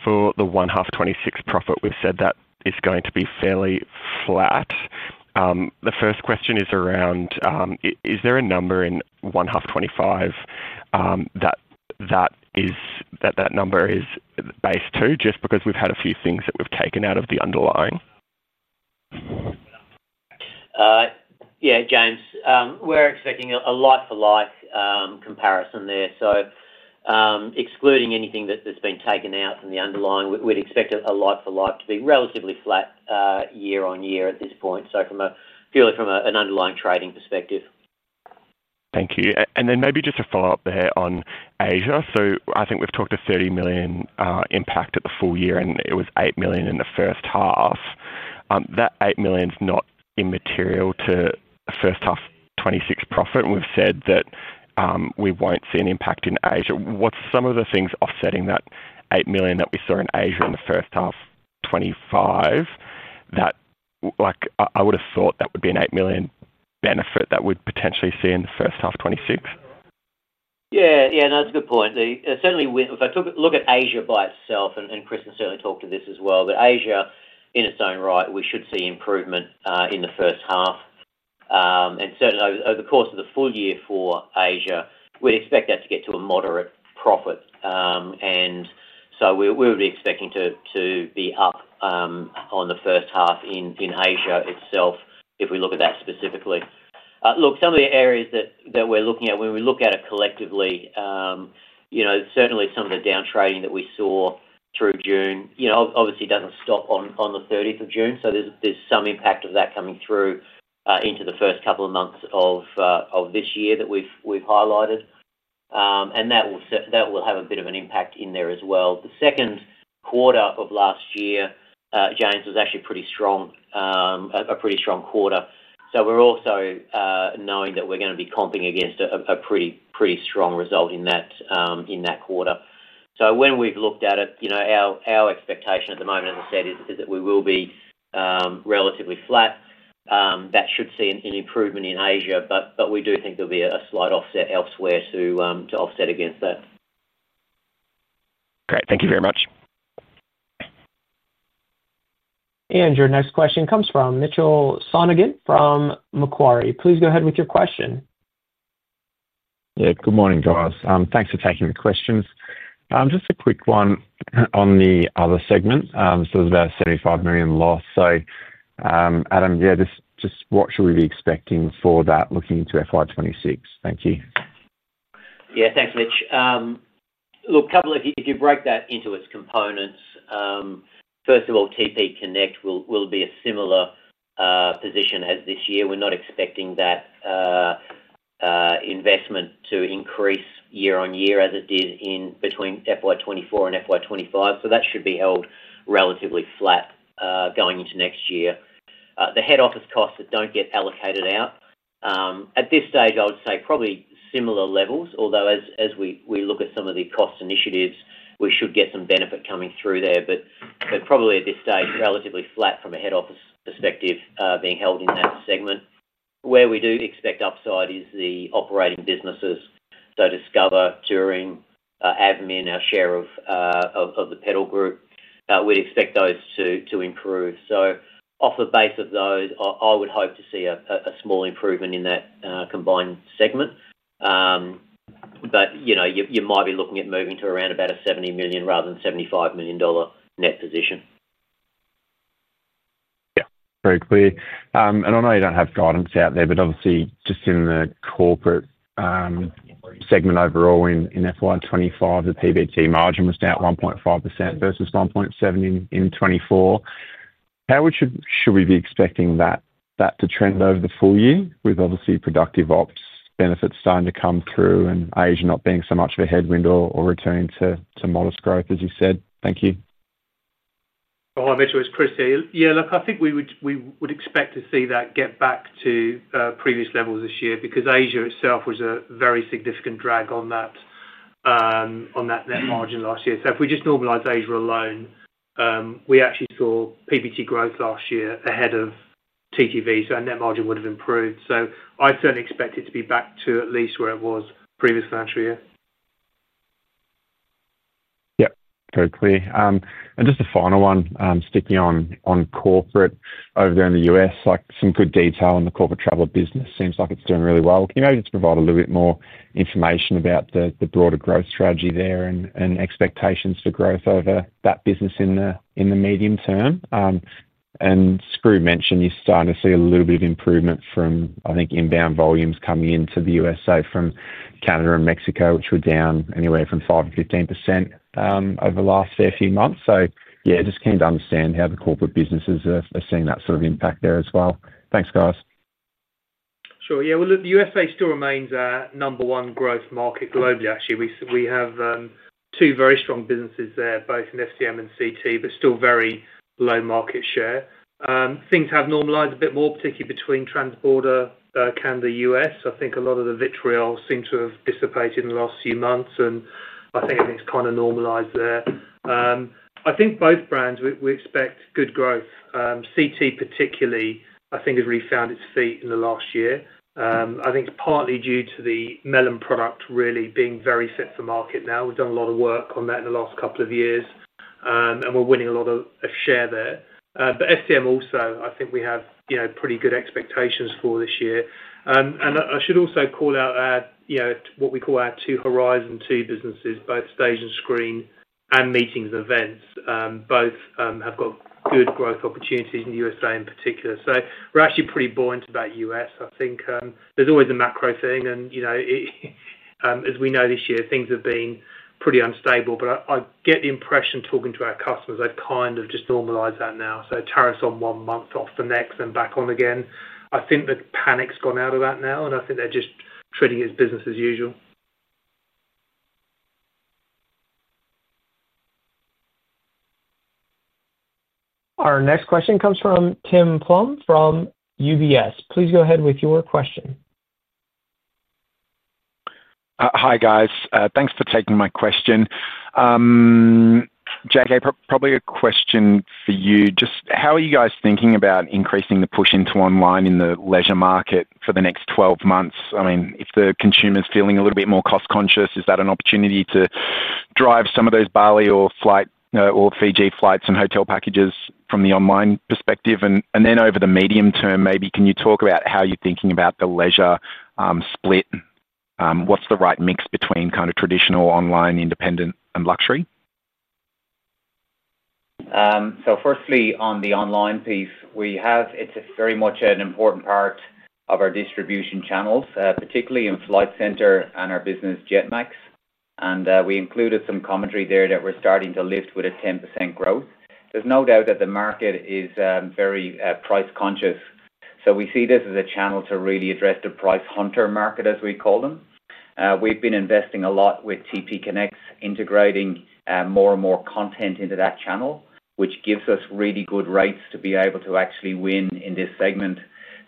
For the first half 2026 profit, we've said that it's going to be fairly flat. The first question is around, is there a number in first half 2025 that that number is based to, just because we've had a few things that we've taken out of the underlying? Yeah, James, we're expecting a like-for-like comparison there. Excluding anything that's been taken out in the underlying, we'd expect a like-for-like to be relatively flat year-on-year at this point, from a purely underlying trading perspective. Thank you. Maybe just a follow-up there on Asia. I think we've talked of $30 million impact at the full year, and it was $8 million in the first half. That $8 million is not immaterial to first half 2026 profit. We've said that we won't see an impact in Asia. What are some of the things offsetting that $8 million that we saw in Asia in the first half 2025? I would have thought that would be an $8 million benefit that we'd potentially see in the first half 2026. Yeah, that's a good point. Certainly, if I took a look at Asia by itself, and Chris has certainly talked to this as well, but Asia in its own right, we should see improvement in the first half. Certainly, over the course of the full year for Asia, we'd expect that to get to a moderate profit. We would be expecting to be up on the first half in Asia itself if we look at that specifically. Some of the areas that we're looking at when we look at it collectively, some of the downtrading that we saw through June obviously doesn't stop on June 30th. There's some impact of that coming through into the first couple of months of this year that we've highlighted, and that will have a bit of an impact in there as well. The second quarter of last year, James, was actually a pretty strong quarter. We're also knowing that we're going to be comping against a pretty strong result in that quarter. When we've looked at it, our expectation at the moment, as I said, is that we will be relatively flat. That should see an improvement in Asia, but we do think there'll be a slight offset elsewhere to offset against that. Great. Thank you very much. Your next question comes from Mitchell Sonogan from Macquarie. Please go ahead with your question. Yeah, good morning, guys. Thanks for taking the questions. Just a quick one on the other segment. There's about a $75 million loss. Adam, what should we be expecting for that looking into FY 2026? Thank you. Yeah, thanks, Mitch. Look, a couple of. You break that into its components, first of all, TP Connect will be a similar position as this year. We're not expecting that investment to increase year-on-year as it did between FY 2024 and FY 2025. That should be held relatively flat going into next year. The head office costs that don't get allocated out, at this stage, I would say probably similar levels, although as we look at some of the cost initiatives, we should get some benefit coming through there. At this stage, relatively flat from a head office perspective being held in that segment. Where we do expect upside is the operating businesses, so Discover, Touring, AVMIN, our share of the Pedal Group. We'd expect those to improve. Off the base of those, I would hope to see a small improvement in that combined segment. You might be looking at moving to around about a $70 million rather than a $75 million net position. Yeah, very clear. I know you don't have guidance out there, but obviously, just in the corporate segment overall in FY 2025, the PBT margin was down 1.5% versus 1.7% in 2024. How should we be expecting that to trend over the full year with obviously productive ops benefits starting to come through and Asia not being so much of a headwind or returning to modest growth, as you said? Thank you. Oh, hi Mitch, it was Chris here. I think we would expect to see that get back to previous levels this year because Asia itself was a very significant drag on that net margin last year. If we just normalize Asia alone, we actually saw PBT growth last year ahead of TTV, so our net margin would have improved. I'd certainly expect it to be back to at least where it was previous financial year. Yeah, very clear. Just a final one, sticking on corporate over there in the U.S., like some good detail on the corporate travel business seems like it's doing really well. Can you maybe just provide a little bit more information about the broader growth strategy there and expectations for growth over that business in the medium term? Skroo mentioned you're starting to see a little bit of improvement from, I think, inbound volumes coming into the USA from Canada and Mexico, which were down anywhere from 5%-15% over the last fair few months. Just keen to understand how the corporate businesses are seeing that sort of impact there as well. Thanks, guys. Sure. Yeah, look, the USA still remains our number one growth market globally, actually. We have two very strong businesses there, both in FCM and CT, but still very low market share. Things have normalized a bit more, particularly between Transborder Canada-U.S. I think a lot of the vitriol seemed to have dissipated in the last few months, and I think everything's kind of normalized there. I think both brands, we expect good growth. CT particularly, I think, has really found its feet in the last year. I think it's partly due to the Melon platform really being very fit for market now. We've done a lot of work on that in the last couple of years, and we're winning a lot of share there. FCM also, I think we have pretty good expectations for this year. I should also call out what we call our two Horizon 2 brands, both Stage and Screen and Meetings & Events, both have got good growth opportunities in the USA in particular. We're actually pretty buoyant about the USA. I think there's always a macro thing, and you know, as we know this year, things have been pretty unstable. I get the impression talking to our customers, they've kind of just normalized that now. Tariffs on one month, off the next, and back on again. I think the panic's gone out of that now, and I think they're just treating it as business as usual. Our next question comes from Tim Plumbe from UBS. Please go ahead with your question. Hi, guys. Thanks for taking my question. JK, probably a question for you. Just how are you guys thinking about increasing the push into online in the leisure market for the next 12 months? I mean, if the consumer's feeling a little bit more cost-conscious, is that an opportunity to drive some of those Bali or Fiji flights and hotel packages from the online perspective? Over the medium term, maybe can you talk about how you're thinking about the leisure split? What's the right mix between kind of traditional online, independent, and luxury? Firstly, on the online piece, we have, it's very much an important part of our distribution channels, particularly in Flight Centre and our business JetMax. We included some commentary there that we're starting to lift with a 10% growth. There's no doubt that the market is very price-conscious. We see this as a channel to really address the price hunter market, as we call them. We've been investing a lot with TP Connect, integrating more and more content into that channel, which gives us really good rates to be able to actually win in this segment.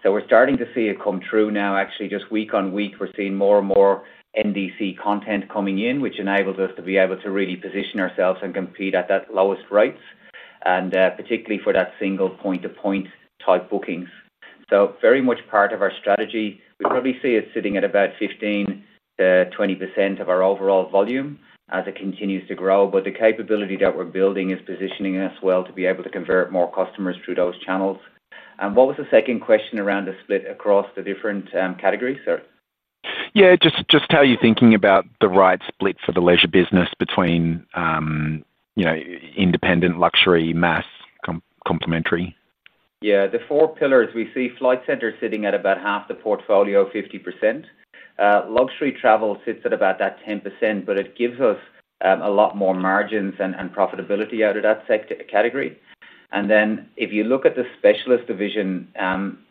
We're starting to see it come true now, actually. Just week on week, we're seeing more and more NDC content coming in, which enables us to be able to really position ourselves and compete at those lowest rates, particularly for that single point-to-point type bookings. Very much part of our strategy. We probably see it sitting at about 15%-20% of our overall volume as it continues to grow. The capability that we're building is positioning us well to be able to convert more customers through those channels. What was the second question around the split across the different categories, sir? Yeah, just how you're thinking about the right split for the leisure business between independent, luxury, mass, complementary. Yeah, the four pillars, we see Flight Centre Travel Group sitting at about half the portfolio, 50%. Luxury travel sits at about that 10%, but it gives us a lot more margins and profitability out of that category. If you look at the specialist division,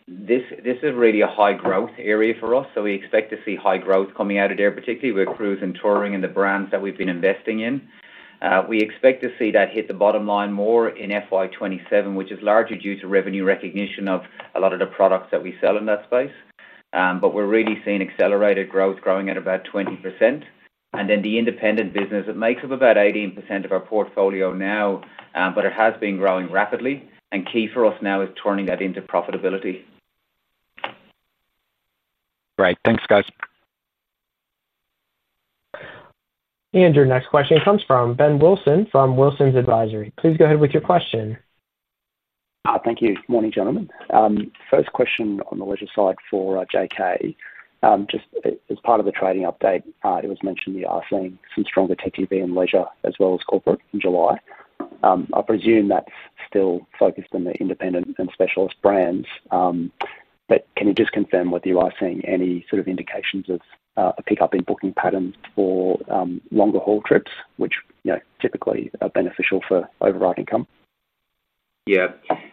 this is really a high growth area for us. We expect to see high growth coming out of there, particularly with cruise and touring and the brands that we've been investing in. We expect to see that hit the bottom line more in FY 2027, which is largely due to revenue recognition of a lot of the products that we sell in that space. We're really seeing accelerated growth growing at about 20%. The independent business makes up about 18% of our portfolio now, but it has been growing rapidly. Key for us now is turning that into profitability. Great. Thanks, guys. Your next question comes from Ben Wilson from Wilsons Advisory. Please go ahead with your question. Thank you. Morning, gentlemen. First question on the leisure side for JK. Just as part of the trading update, it was mentioned that you are seeing some stronger TTV in leisure as well as corporate in July. I presume that's still focused on the independent and specialist brands. Can you just confirm whether you are seeing any sort of indications of a pickup in booking patterns for longer haul trips, which typically are beneficial for override income? Yeah.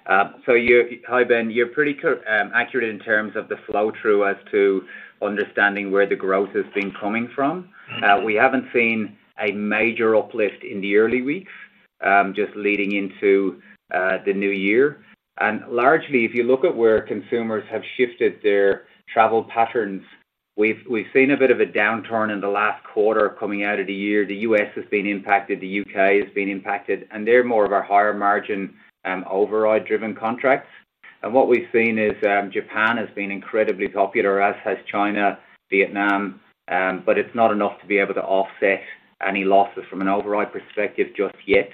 Hi Ben, you're pretty accurate in terms of the flow through as to understanding where the growth has been coming from. We haven't seen a major uplift in the early weeks, just leading into the new year. Largely, if you look at where consumers have shifted their travel patterns, we've seen a bit of a downturn in the last quarter coming out of the year. The U.S. has been impacted, the U.K. has been impacted, and they're more of our higher margin override-driven contracts. What we've seen is Japan has been incredibly popular, as has China, Vietnam, but it's not enough to be able to offset any losses from an override perspective just yet.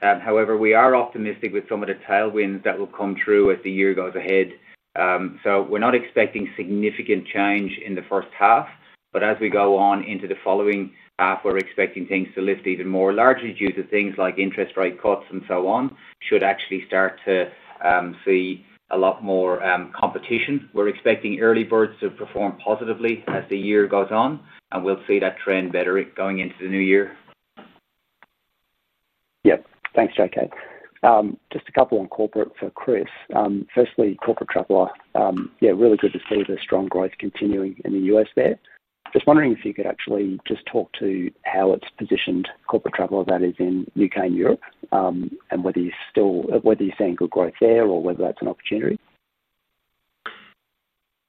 However, we are optimistic with some of the tailwinds that will come through as the year goes ahead. We're not expecting significant change in the first half, but as we go on into the following half, we're expecting things to lift even more, largely due to things like interest rate cuts and so on, which should actually start to see a lot more competition. We're expecting early birds to perform positively as the year goes on, and we'll see that trend better going into the new year. Yeah, thanks, JK. Just a couple on corporate for Chris. Firstly, Corporate Traveler, yeah, really good to see the strong growth continuing in the U.S. there. Just wondering if you could actually just talk to how it's positioned, Corporate Traveler that is, in the U.K. and Europe, and whether you're still, whether you're seeing good growth there or whether that's an opportunity.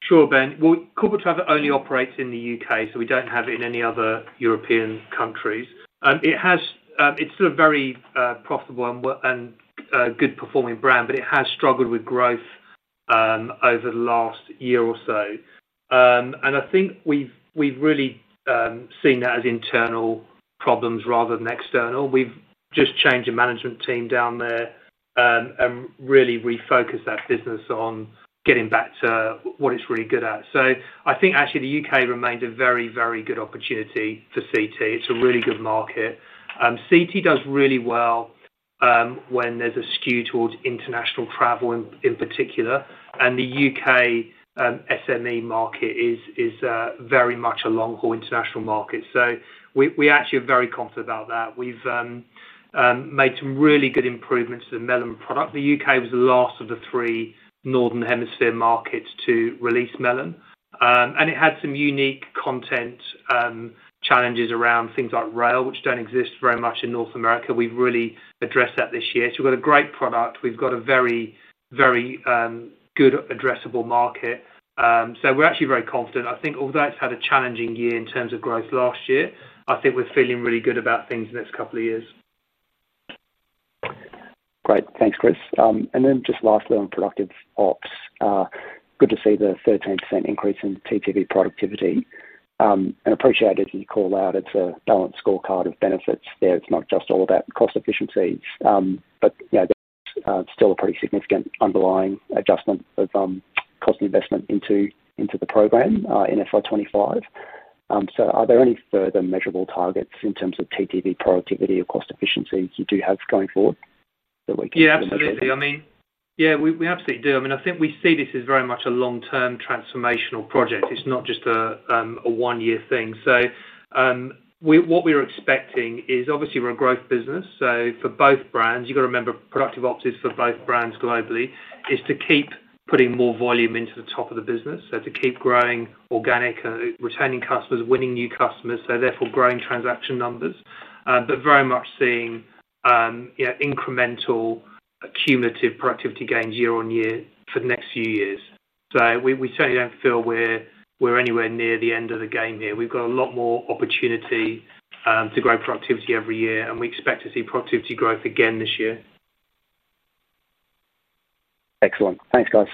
Sure, Ben. Corporate Traveler only operates in the U.K., so we don't have it in any other European countries. It's still a very profitable and good-performing brand, but it has struggled with growth over the last year or so. I think we've really seen that as internal problems rather than external. We've just changed the management team down there and really refocused that business on getting back to what it's really good at. I think actually the U.K. remains a very, very good opportunity for CT. It's a really good market. CT does really well when there's a skew towards international travel in particular. The U.K. SME market is very much a long-haul international market. We actually are very confident about that. We've made some really good improvements to the Melon platform. The U.K. was the last of the three northern hemisphere markets to release Melon. It had some unique content challenges around things like rail, which don't exist very much in North America. We've really addressed that this year. We've got a great product. We've got a very, very good addressable market. We're actually very confident. I think although it's had a challenging year in terms of growth last year, I think we're feeling really good about things in the next couple of years. Great. Thanks, Chris. Lastly, on productive ops, good to see the 13% increase in TTV productivity. I appreciate, as you call out, it's a balanced scorecard of benefits there. It's not just all about the cost efficiencies, but that's still a pretty significant underlying adjustment of cost investment into the program in FY 2025. Are there any further measurable targets in terms of TTV productivity or cost efficiency you do have going forward that we can? Yeah, absolutely. We absolutely do. I think we see this as very much a long-term transformational project. It's not just a one-year thing. What we're expecting is obviously we're a growth business. For both brands, you've got to remember productive ops is for both brands globally, to keep putting more volume into the top of the business, to keep growing organic and retaining customers, winning new customers, therefore growing transaction numbers, but very much seeing incremental cumulative productivity gains year-on-year for the next few years. We certainly don't feel we're anywhere near the end of the game here. We've got a lot more opportunity to grow productivity every year, and we expect to see productivity growth again this year. Excellent. Thanks, guys.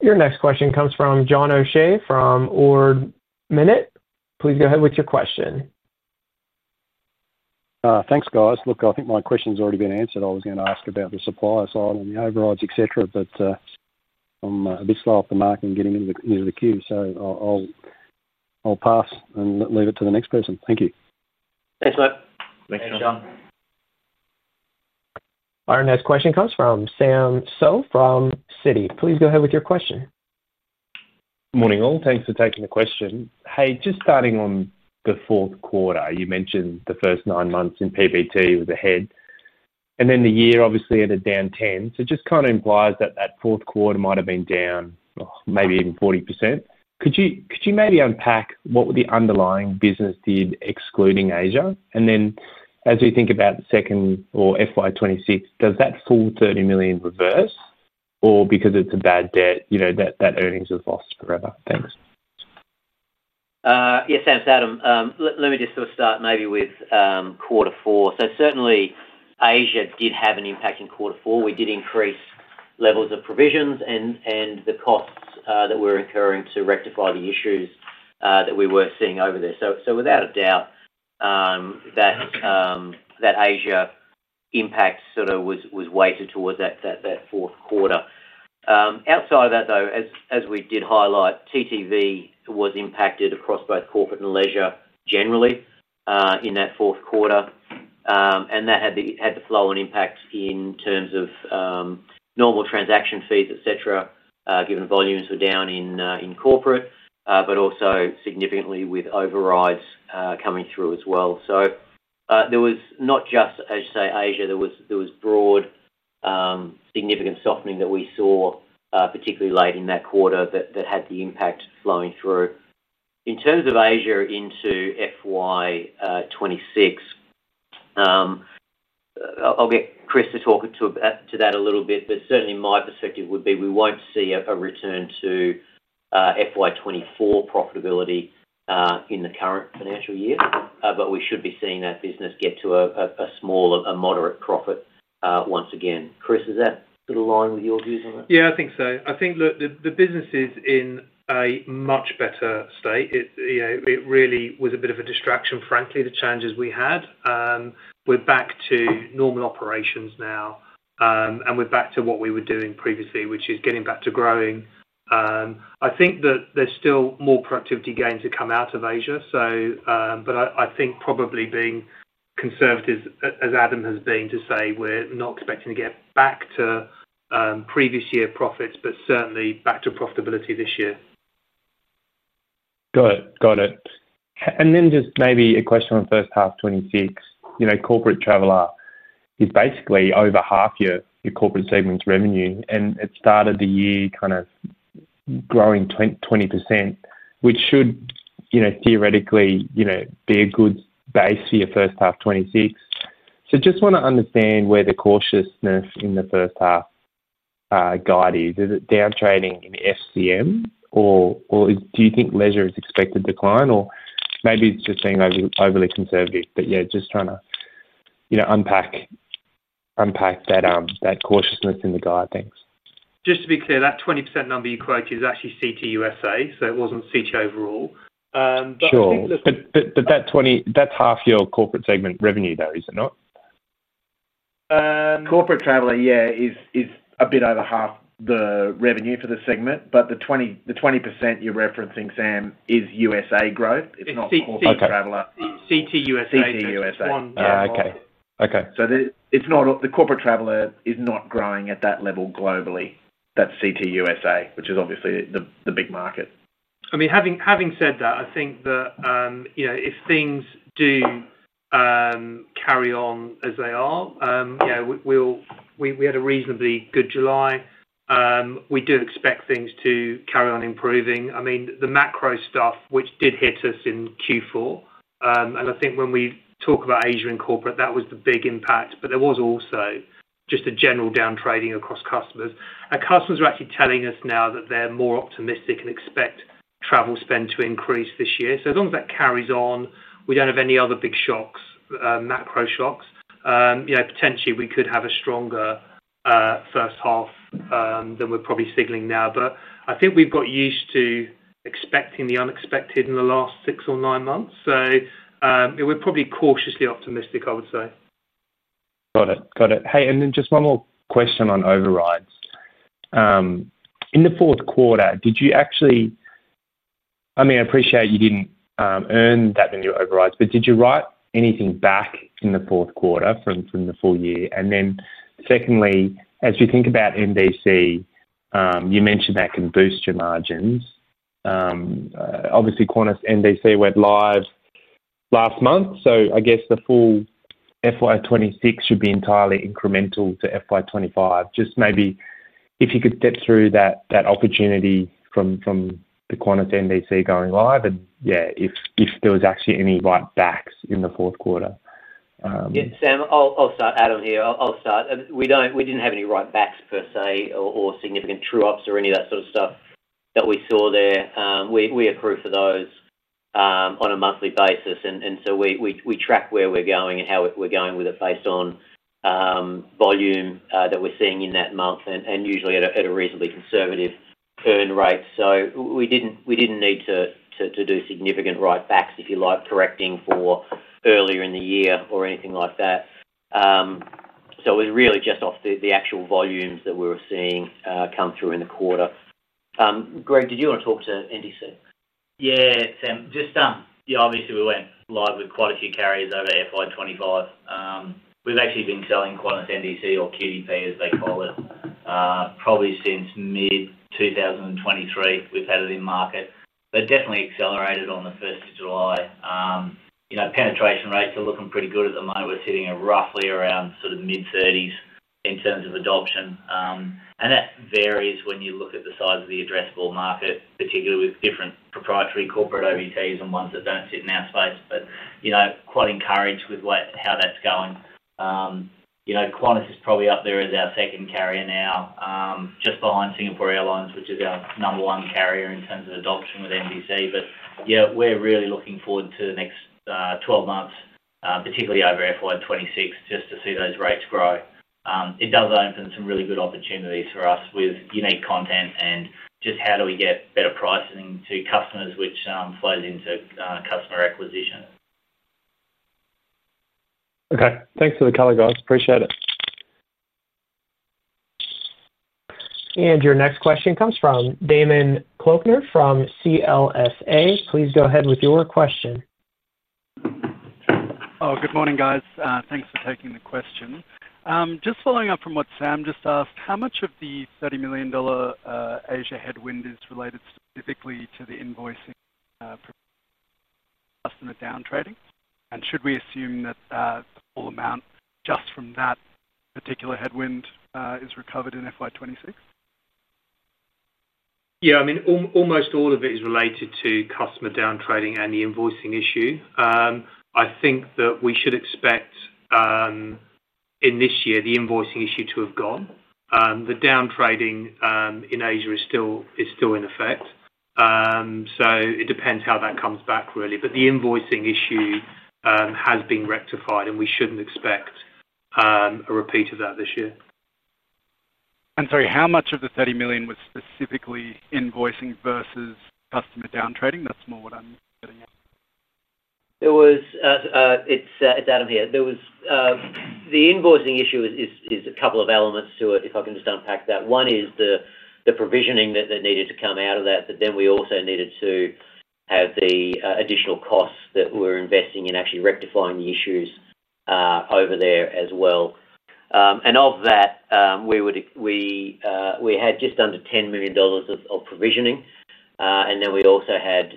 Your next question comes from John O'Shea from Ord Minnett. Please go ahead with your question. Thanks, guys. I think my question's already been answered. I was going to ask about the supplier side on the overrides, et cetera, but I'm a bit far off the mark and getting into the queue. I'll pass and leave it to the next person. Thank you. Thanks, mate. Thanks, John. Our next question comes from Sam Seow from Citi. Please go ahead with your question. Morning all. Thanks for taking the question. Hey, just starting on the fourth quarter, you mentioned the first nine months in PBT was ahead, and then the year obviously at a down 10%. It just kind of implies that that fourth quarter might have been down maybe even 40%. Could you maybe unpack what the underlying business did excluding Asia? As we think about the second or FY 2026, does that full $30 million reverse or because it's a bad debt, you know that that earnings are lost forever? Thanks. Yeah. Sam, it's Adam. Let me just sort of start maybe with quarter four. Certainly Asia did have an impact in quarter four. We did increase levels of provisions and the costs that were occurring to rectify the issues that we were seeing over there. Without a doubt, that Asia impact was weighted towards that fourth quarter. Outside of that though, as we did highlight, TTV was impacted across both corporate and leisure generally in that fourth quarter. That had the flow and impact in terms of normal transaction fees, etc., given the volumes were down in corporate, but also significantly with overrides coming through as well. There was not just, as you say, Asia, there was broad significant softening that we saw particularly late in that quarter that had the impact flowing through. In terms of Asia into FY 2026, I'll get Chris to talk to that a little bit, but certainly my perspective would be we won't see a return to FY 2024 profitability in the current financial year, but we should be seeing that business get to a small, a moderate profit once again. Chris, is that aligned with your views on it? Yeah, I think so. I think, look, the business is in a much better state. It really was a bit of a distraction, frankly, the changes we had. We're back to normal operations now, and we're back to what we were doing previously, which is getting back to growing. I think that there's still more productivity gains to come out of Asia. I think probably being conservative, as Adam has been to say, we're not expecting to get back to previous year profits, but certainly back to profitability this year. Got it. And then just maybe a question on the first half of 2026. Corporate travel is basically over half your corporate segment's revenue, and it started the year kind of growing 20%, which should theoretically be a good base for your first half of 2026. I just want to understand where the cautiousness in the first half guide is. Is it downtrading in FCM, or do you think leisure is expected to climb, or maybe it's just seeming overly conservative? Just trying to unpack that cautiousness in the guide. Thanks. Just to be clear, that 20% number you quoted is actually CT USA, so it wasn't CT overall. Sure. That's half your corporate segment revenue though, is it not? Corporate Traveler, yeah, is a bit over half the revenue for the segment, but the 20% you're referencing, Sam, is USA growth. It's not Corporate Traveler. CT USA. CT USA. One. Okay. Okay. So it's not that Corporate Traveler is not growing at that level globally. That's CT USA, which is obviously the big market. I mean, having said that, I think that, you know, if things do carry on as they are, we had a reasonably good July. We do expect things to carry on improving. I mean, the macro stuff, which did hit us in Q4, and I think when we talk about Asia and corporate, that was the big impact, but there was also just a general downtrading across customers. Our customers are actually telling us now that they're more optimistic and expect travel spend to increase this year. As long as that carries on, we don't have any other big shocks, macro shocks. You know, potentially we could have a stronger first half than we're probably signaling now. I think we've got used to expecting the unexpected in the last six or nine months. We're probably cautiously optimistic, I would say. Got it. Got it. Hey, and then just one more question on overrides. In the fourth quarter, did you actually, I mean, I appreciate you didn't earn that in your overrides, but did you write anything back in the fourth quarter from the full year? And then secondly, as we think about NDC, you mentioned that can boost your margins. Obviously, Qantas NDC went live last month, so I guess the full FY 2026 should be entirely incremental to FY 2025. Just maybe if you could step through that opportunity from the Qantas NDC going live, and yeah, if there was actually any right backs in the fourth quarter. Yeah. Sam, I'll start. Adam here. I'll start. We didn't have any right backs per se or significant true-ups or any of that sort of stuff that we saw there. We accrue for those on a monthly basis, and we track where we're going and how we're going with it based on volume that we're seeing in that month and usually at a reasonably conservative turn rate. We didn't need to do significant right backs if you like correcting for earlier in the year or anything like that. It was really just off the actual volumes that we were seeing come through in the quarter. Greg, did you want to talk to NDC? Yeah, Sam. Just, yeah, obviously we went live with quite a few carriers over FY 2025. We've actually been selling Qantas NDC or QUP as they call it, probably since mid-2023. We've had it in market, but definitely accelerated on the 1st of July. You know, penetration rates are looking pretty good at the moment. We're sitting at roughly around sort of mid-30% in terms of adoption. That varies when you look at the size of the addressable market, particularly with different proprietary corporate OBTs and ones that don't sit in our space. You know, quite encouraged with how that's going. Qantas is probably up there as our second carrier now, just behind Singapore Airlines, which is our number one carrier in terms of adoption with NDC. We're really looking forward to the next 12 months, particularly over FY 2026, just to see those rates grow. It does open some really good opportunities for us with unique content and just how do we get better pricing to customers, which flows into customer acquisitions. Okay, thanks for the color, guys. Appreciate it. Your next question comes from Damen Kloeckner from CLSA. Please go ahead with your question. Good morning, guys. Thanks for taking the question. Just following up from what Sam just asked, how much of the $30 million Asia headwind is related specifically to the invoicing customer downtrading? Should we assume that the full amount just from that particular headwind is recovered in FY 2026? Yeah, I mean, almost all of it is related to customer downtrading and the invoicing issue. I think that we should expect in this year the invoicing issue to have gone. The downtrading in Asia is still in effect. It depends how that comes back, really. The invoicing issue has been rectified, and we shouldn't expect a repeat of that this year. I'm sorry, how much of the $30 million was specifically invoicing versus customer downtrading? That's more what I'm getting at. It's Adam here. There was the invoicing issue, a couple of elements to it, if I can just unpack that. One is the provisioning that needed to come out of that, but we also needed to have the additional costs that we're investing in actually rectifying the issues over there as well. Of that, we had just under $10 million of provisioning, and we also had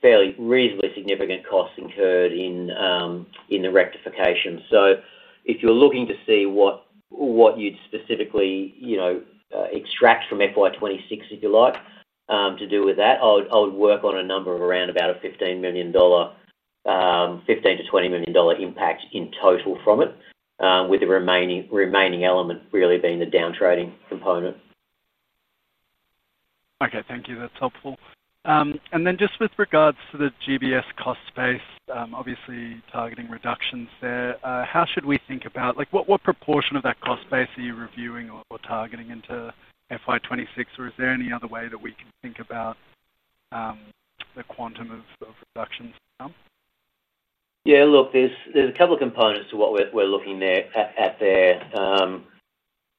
fairly reasonably significant costs incurred in the rectification. If you're looking to see what you'd specifically extract from FY 2026, if you like, to do with that, I would work on a number of around about a $15 million-$20 million impact in total from it, with the remaining element really being the downtrading component. Okay. Thank you. That's helpful. With regards to the GBS cost base, obviously targeting reductions there, how should we think about what proportion of that cost base you are reviewing or targeting into FY 2026, or is there any other way that we could think about the quantum of reductions now? Yeah, look, there's a couple of components to what we're looking at there.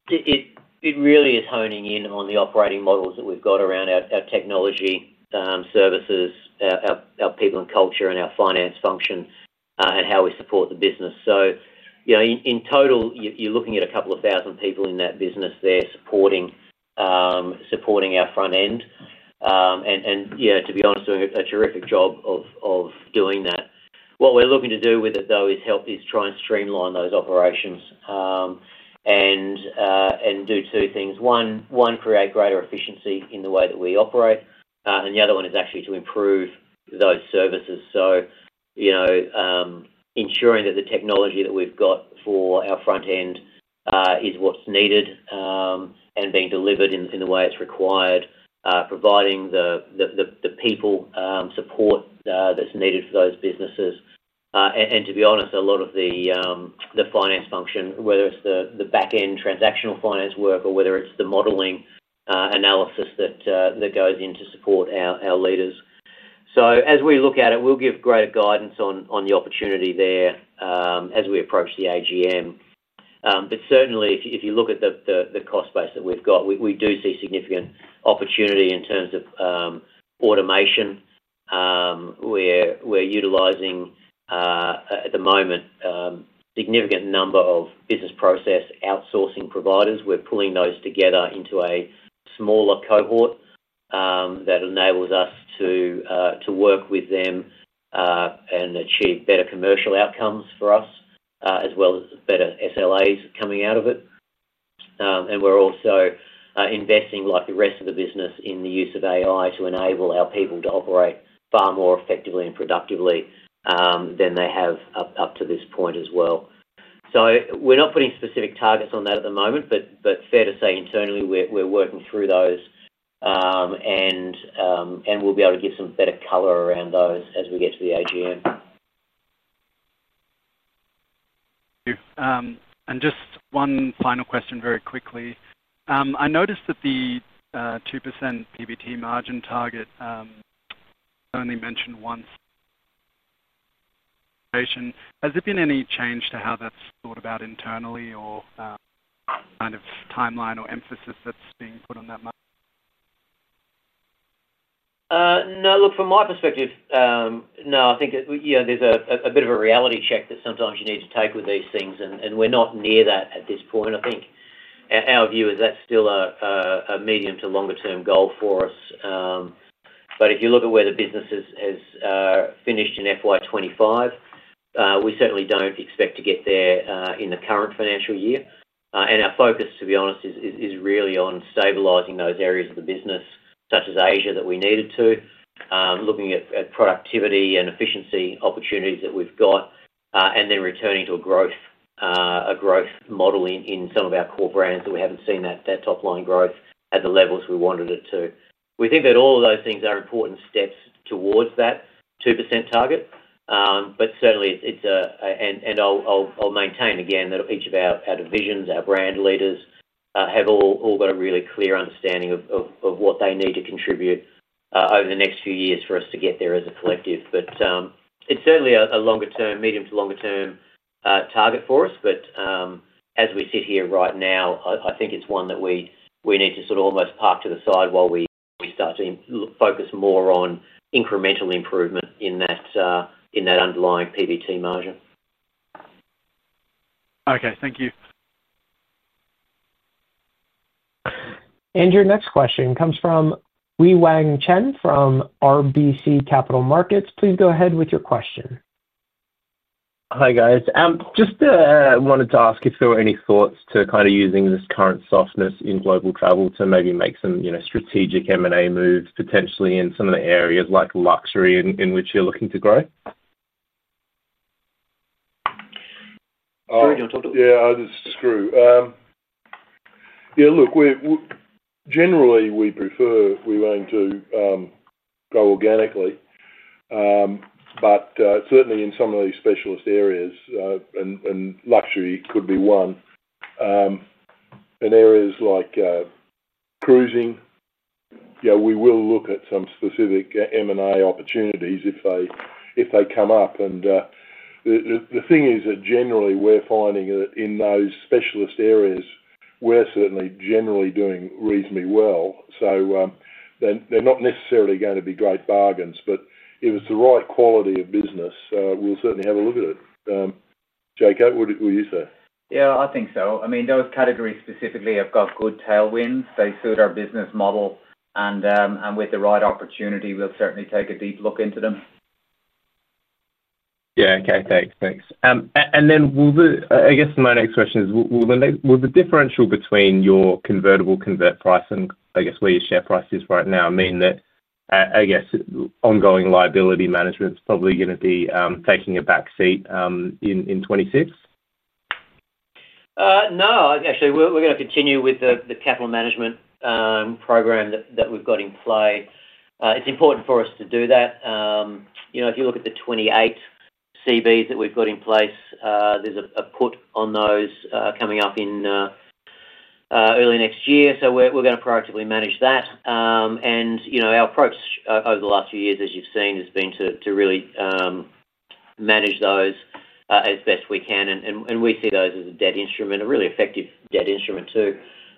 It really is honing in on the operating models that we've got around our technology, services, our people and culture, and our finance function, and how we support the business. In total, you're looking at a couple of thousand people in that business there supporting our front end. To be honest, doing a terrific job of doing that. What we're looking to do with it, though, is try and streamline those operations and do two things. One, create greater efficiency in the way that we operate. The other one is actually to improve those services. Ensuring that the technology that we've got for our front end is what's needed and being delivered in the way it's required, providing the people support that's needed for those businesses. To be honest, a lot of the finance function, whether it's the backend transactional finance work or whether it's the modeling analysis that goes in to support our leaders. As we look at it, we'll give greater guidance on the opportunity there as we approach the AGM. Certainly, if you look at the cost base that we've got, we do see significant opportunity in terms of automation. We're utilizing, at the moment, a significant number of business process outsourcing providers. We're pulling those together into a smaller cohort that enables us to work with them and achieve better commercial outcomes for us, as well as better SLAs coming out of it. We're also investing, like the rest of the business, in the use of AI to enable our people to operate far more effectively and productively than they have up to this point as well. We're not putting specific targets on that at the moment, but fair to say internally, we're working through those, and we'll be able to give some better color around those as we get to the AGM. Just one final question very quickly. I noticed that the 2% PBT margin target only mentioned once. Has there been any change to how that's thought about internally or kind of timeline or emphasis that's being put on that? No, Look, from my perspective, no, I think that, you know, there's a bit of a reality check that sometimes you need to take with these things. We're not near that at this point. I think, in our view, that's still a medium to longer-term goal for us. If you look at where the business has finished in FY 2025, we certainly don't expect to get there in the current financial year. Our focus, to be honest, is really on stabilizing those areas of the business, such as Asia, that we needed to, looking at productivity and efficiency opportunities that we've got, and then returning to a growth model in some of our core brands that we haven't seen that top-line growth at the levels we wanted it to. We think that all of those things are important steps towards that 2% target. It's a... I'll maintain, again, that each of our divisions, our brand leaders, have all got a really clear understanding of what they need to contribute over the next few years for us to get there as a collective. It's certainly a longer-term, medium to longer-term target for us. As we sit here right now, I think it's one that we need to sort of almost park to the side while we start to focus more on incremental improvement in that underlying PBT margin. Thank you. Your next question comes from Wei-Weng Chen from RBC Capital Markets. Please go ahead with your question. Hi, guys. Just wanted to ask if there were any thoughts to kind of using this current softness in global travel to maybe make some, you know, strategic M&A moves potentially in some of the areas like luxury in which you're looking to grow? Yeah, this is Skroo. Yeah, look, we're generally, we prefer we're going to go organically. Certainly, in some of these specialist areas, and luxury could be one, in areas like cruising, you know, we will look at some specific M&A opportunities if they come up. The thing is that generally, we're finding that in those specialist areas, we're certainly generally doing reasonably well. They're not necessarily going to be great bargains. If it's the right quality of business, we'll certainly have a look at it. JK, what do you say? Yeah, I think so. I mean, those categories specifically have got good tailwinds. They suit our business model, and with the right opportunity, we'll certainly take a deep look into them. OK, thanks. Will the differential between your convertible convert price and where your share price is right now mean that ongoing liability management is probably going to be taking a back seat in 2026? No, actually, we're going to continue with the capital management program that we've got in play. It's important for us to do that. If you look at the 28 CBs that we've got in place, there's a put on those coming up in early next year. We're going to proactively manage that. Our approach over the last few years, as you've seen, has been to really manage those as best we can. We see those as a debt instrument, a really effective debt instrument, too.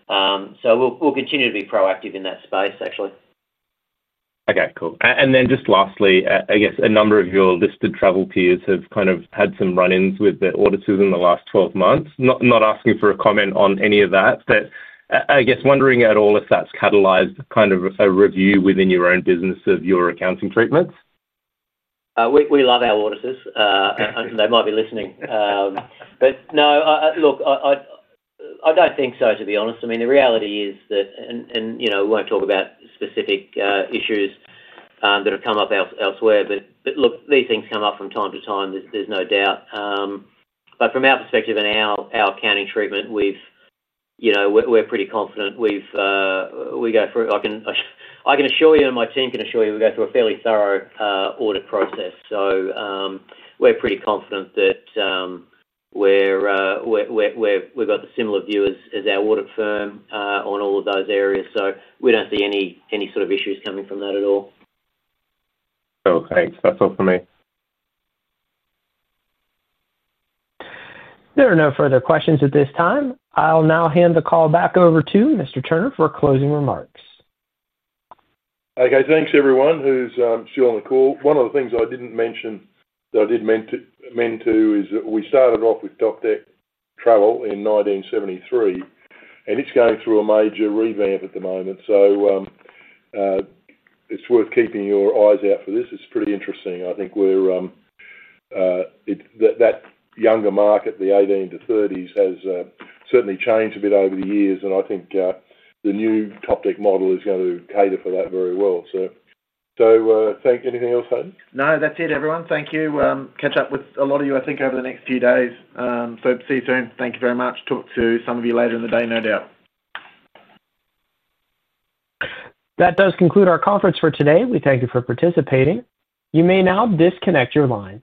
We'll continue to be proactive in that space, actually. OK, cool. Lastly, I guess a number of your listed travel peers have kind of had some run-ins with the auditors in the last 12 months. Not asking for a comment on any of that. I guess wondering at all if that's catalyzed kind of a review within your own business of your accounting treatments. We love our auditors. They might be listening. No, look, I don't think so, to be honest. The reality is that, and you know, we won't talk about specific issues that have come up elsewhere. These things come up from time to time, there's no doubt. From our perspective and our accounting treatment, we're pretty confident. We go through a fairly thorough audit process. I can assure you, and my team can assure you, we go through a fairly thorough audit process. We're pretty confident that we've got a similar view as our audit firm on all of those areas. We don't see any sort of issues coming from that at all. OK, that's all for me. There are no further questions at this time. I'll now hand the call back over to Mr. Turner for closing remarks. OK, thanks, everyone, who's still on the call. One of the things I didn't mention that I did mean to is that we started off with Topdeck Travel in 1973. It's going through a major revamp at the moment. It's worth keeping your eyes out for this. It's pretty interesting. I think that younger market, the 18s-30s, has certainly changed a bit over the years. I think the new Topdeck model is going to cater for that very well. Thank you. Anything else, Haydn? No, that's it, everyone. Thank you. Catch up with a lot of you, I think, over the next few days. See you soon. Thank you very much. Talk to some of you later in the day, no doubt. That does conclude our conference for today. We thank you for participating. You may now disconnect your line.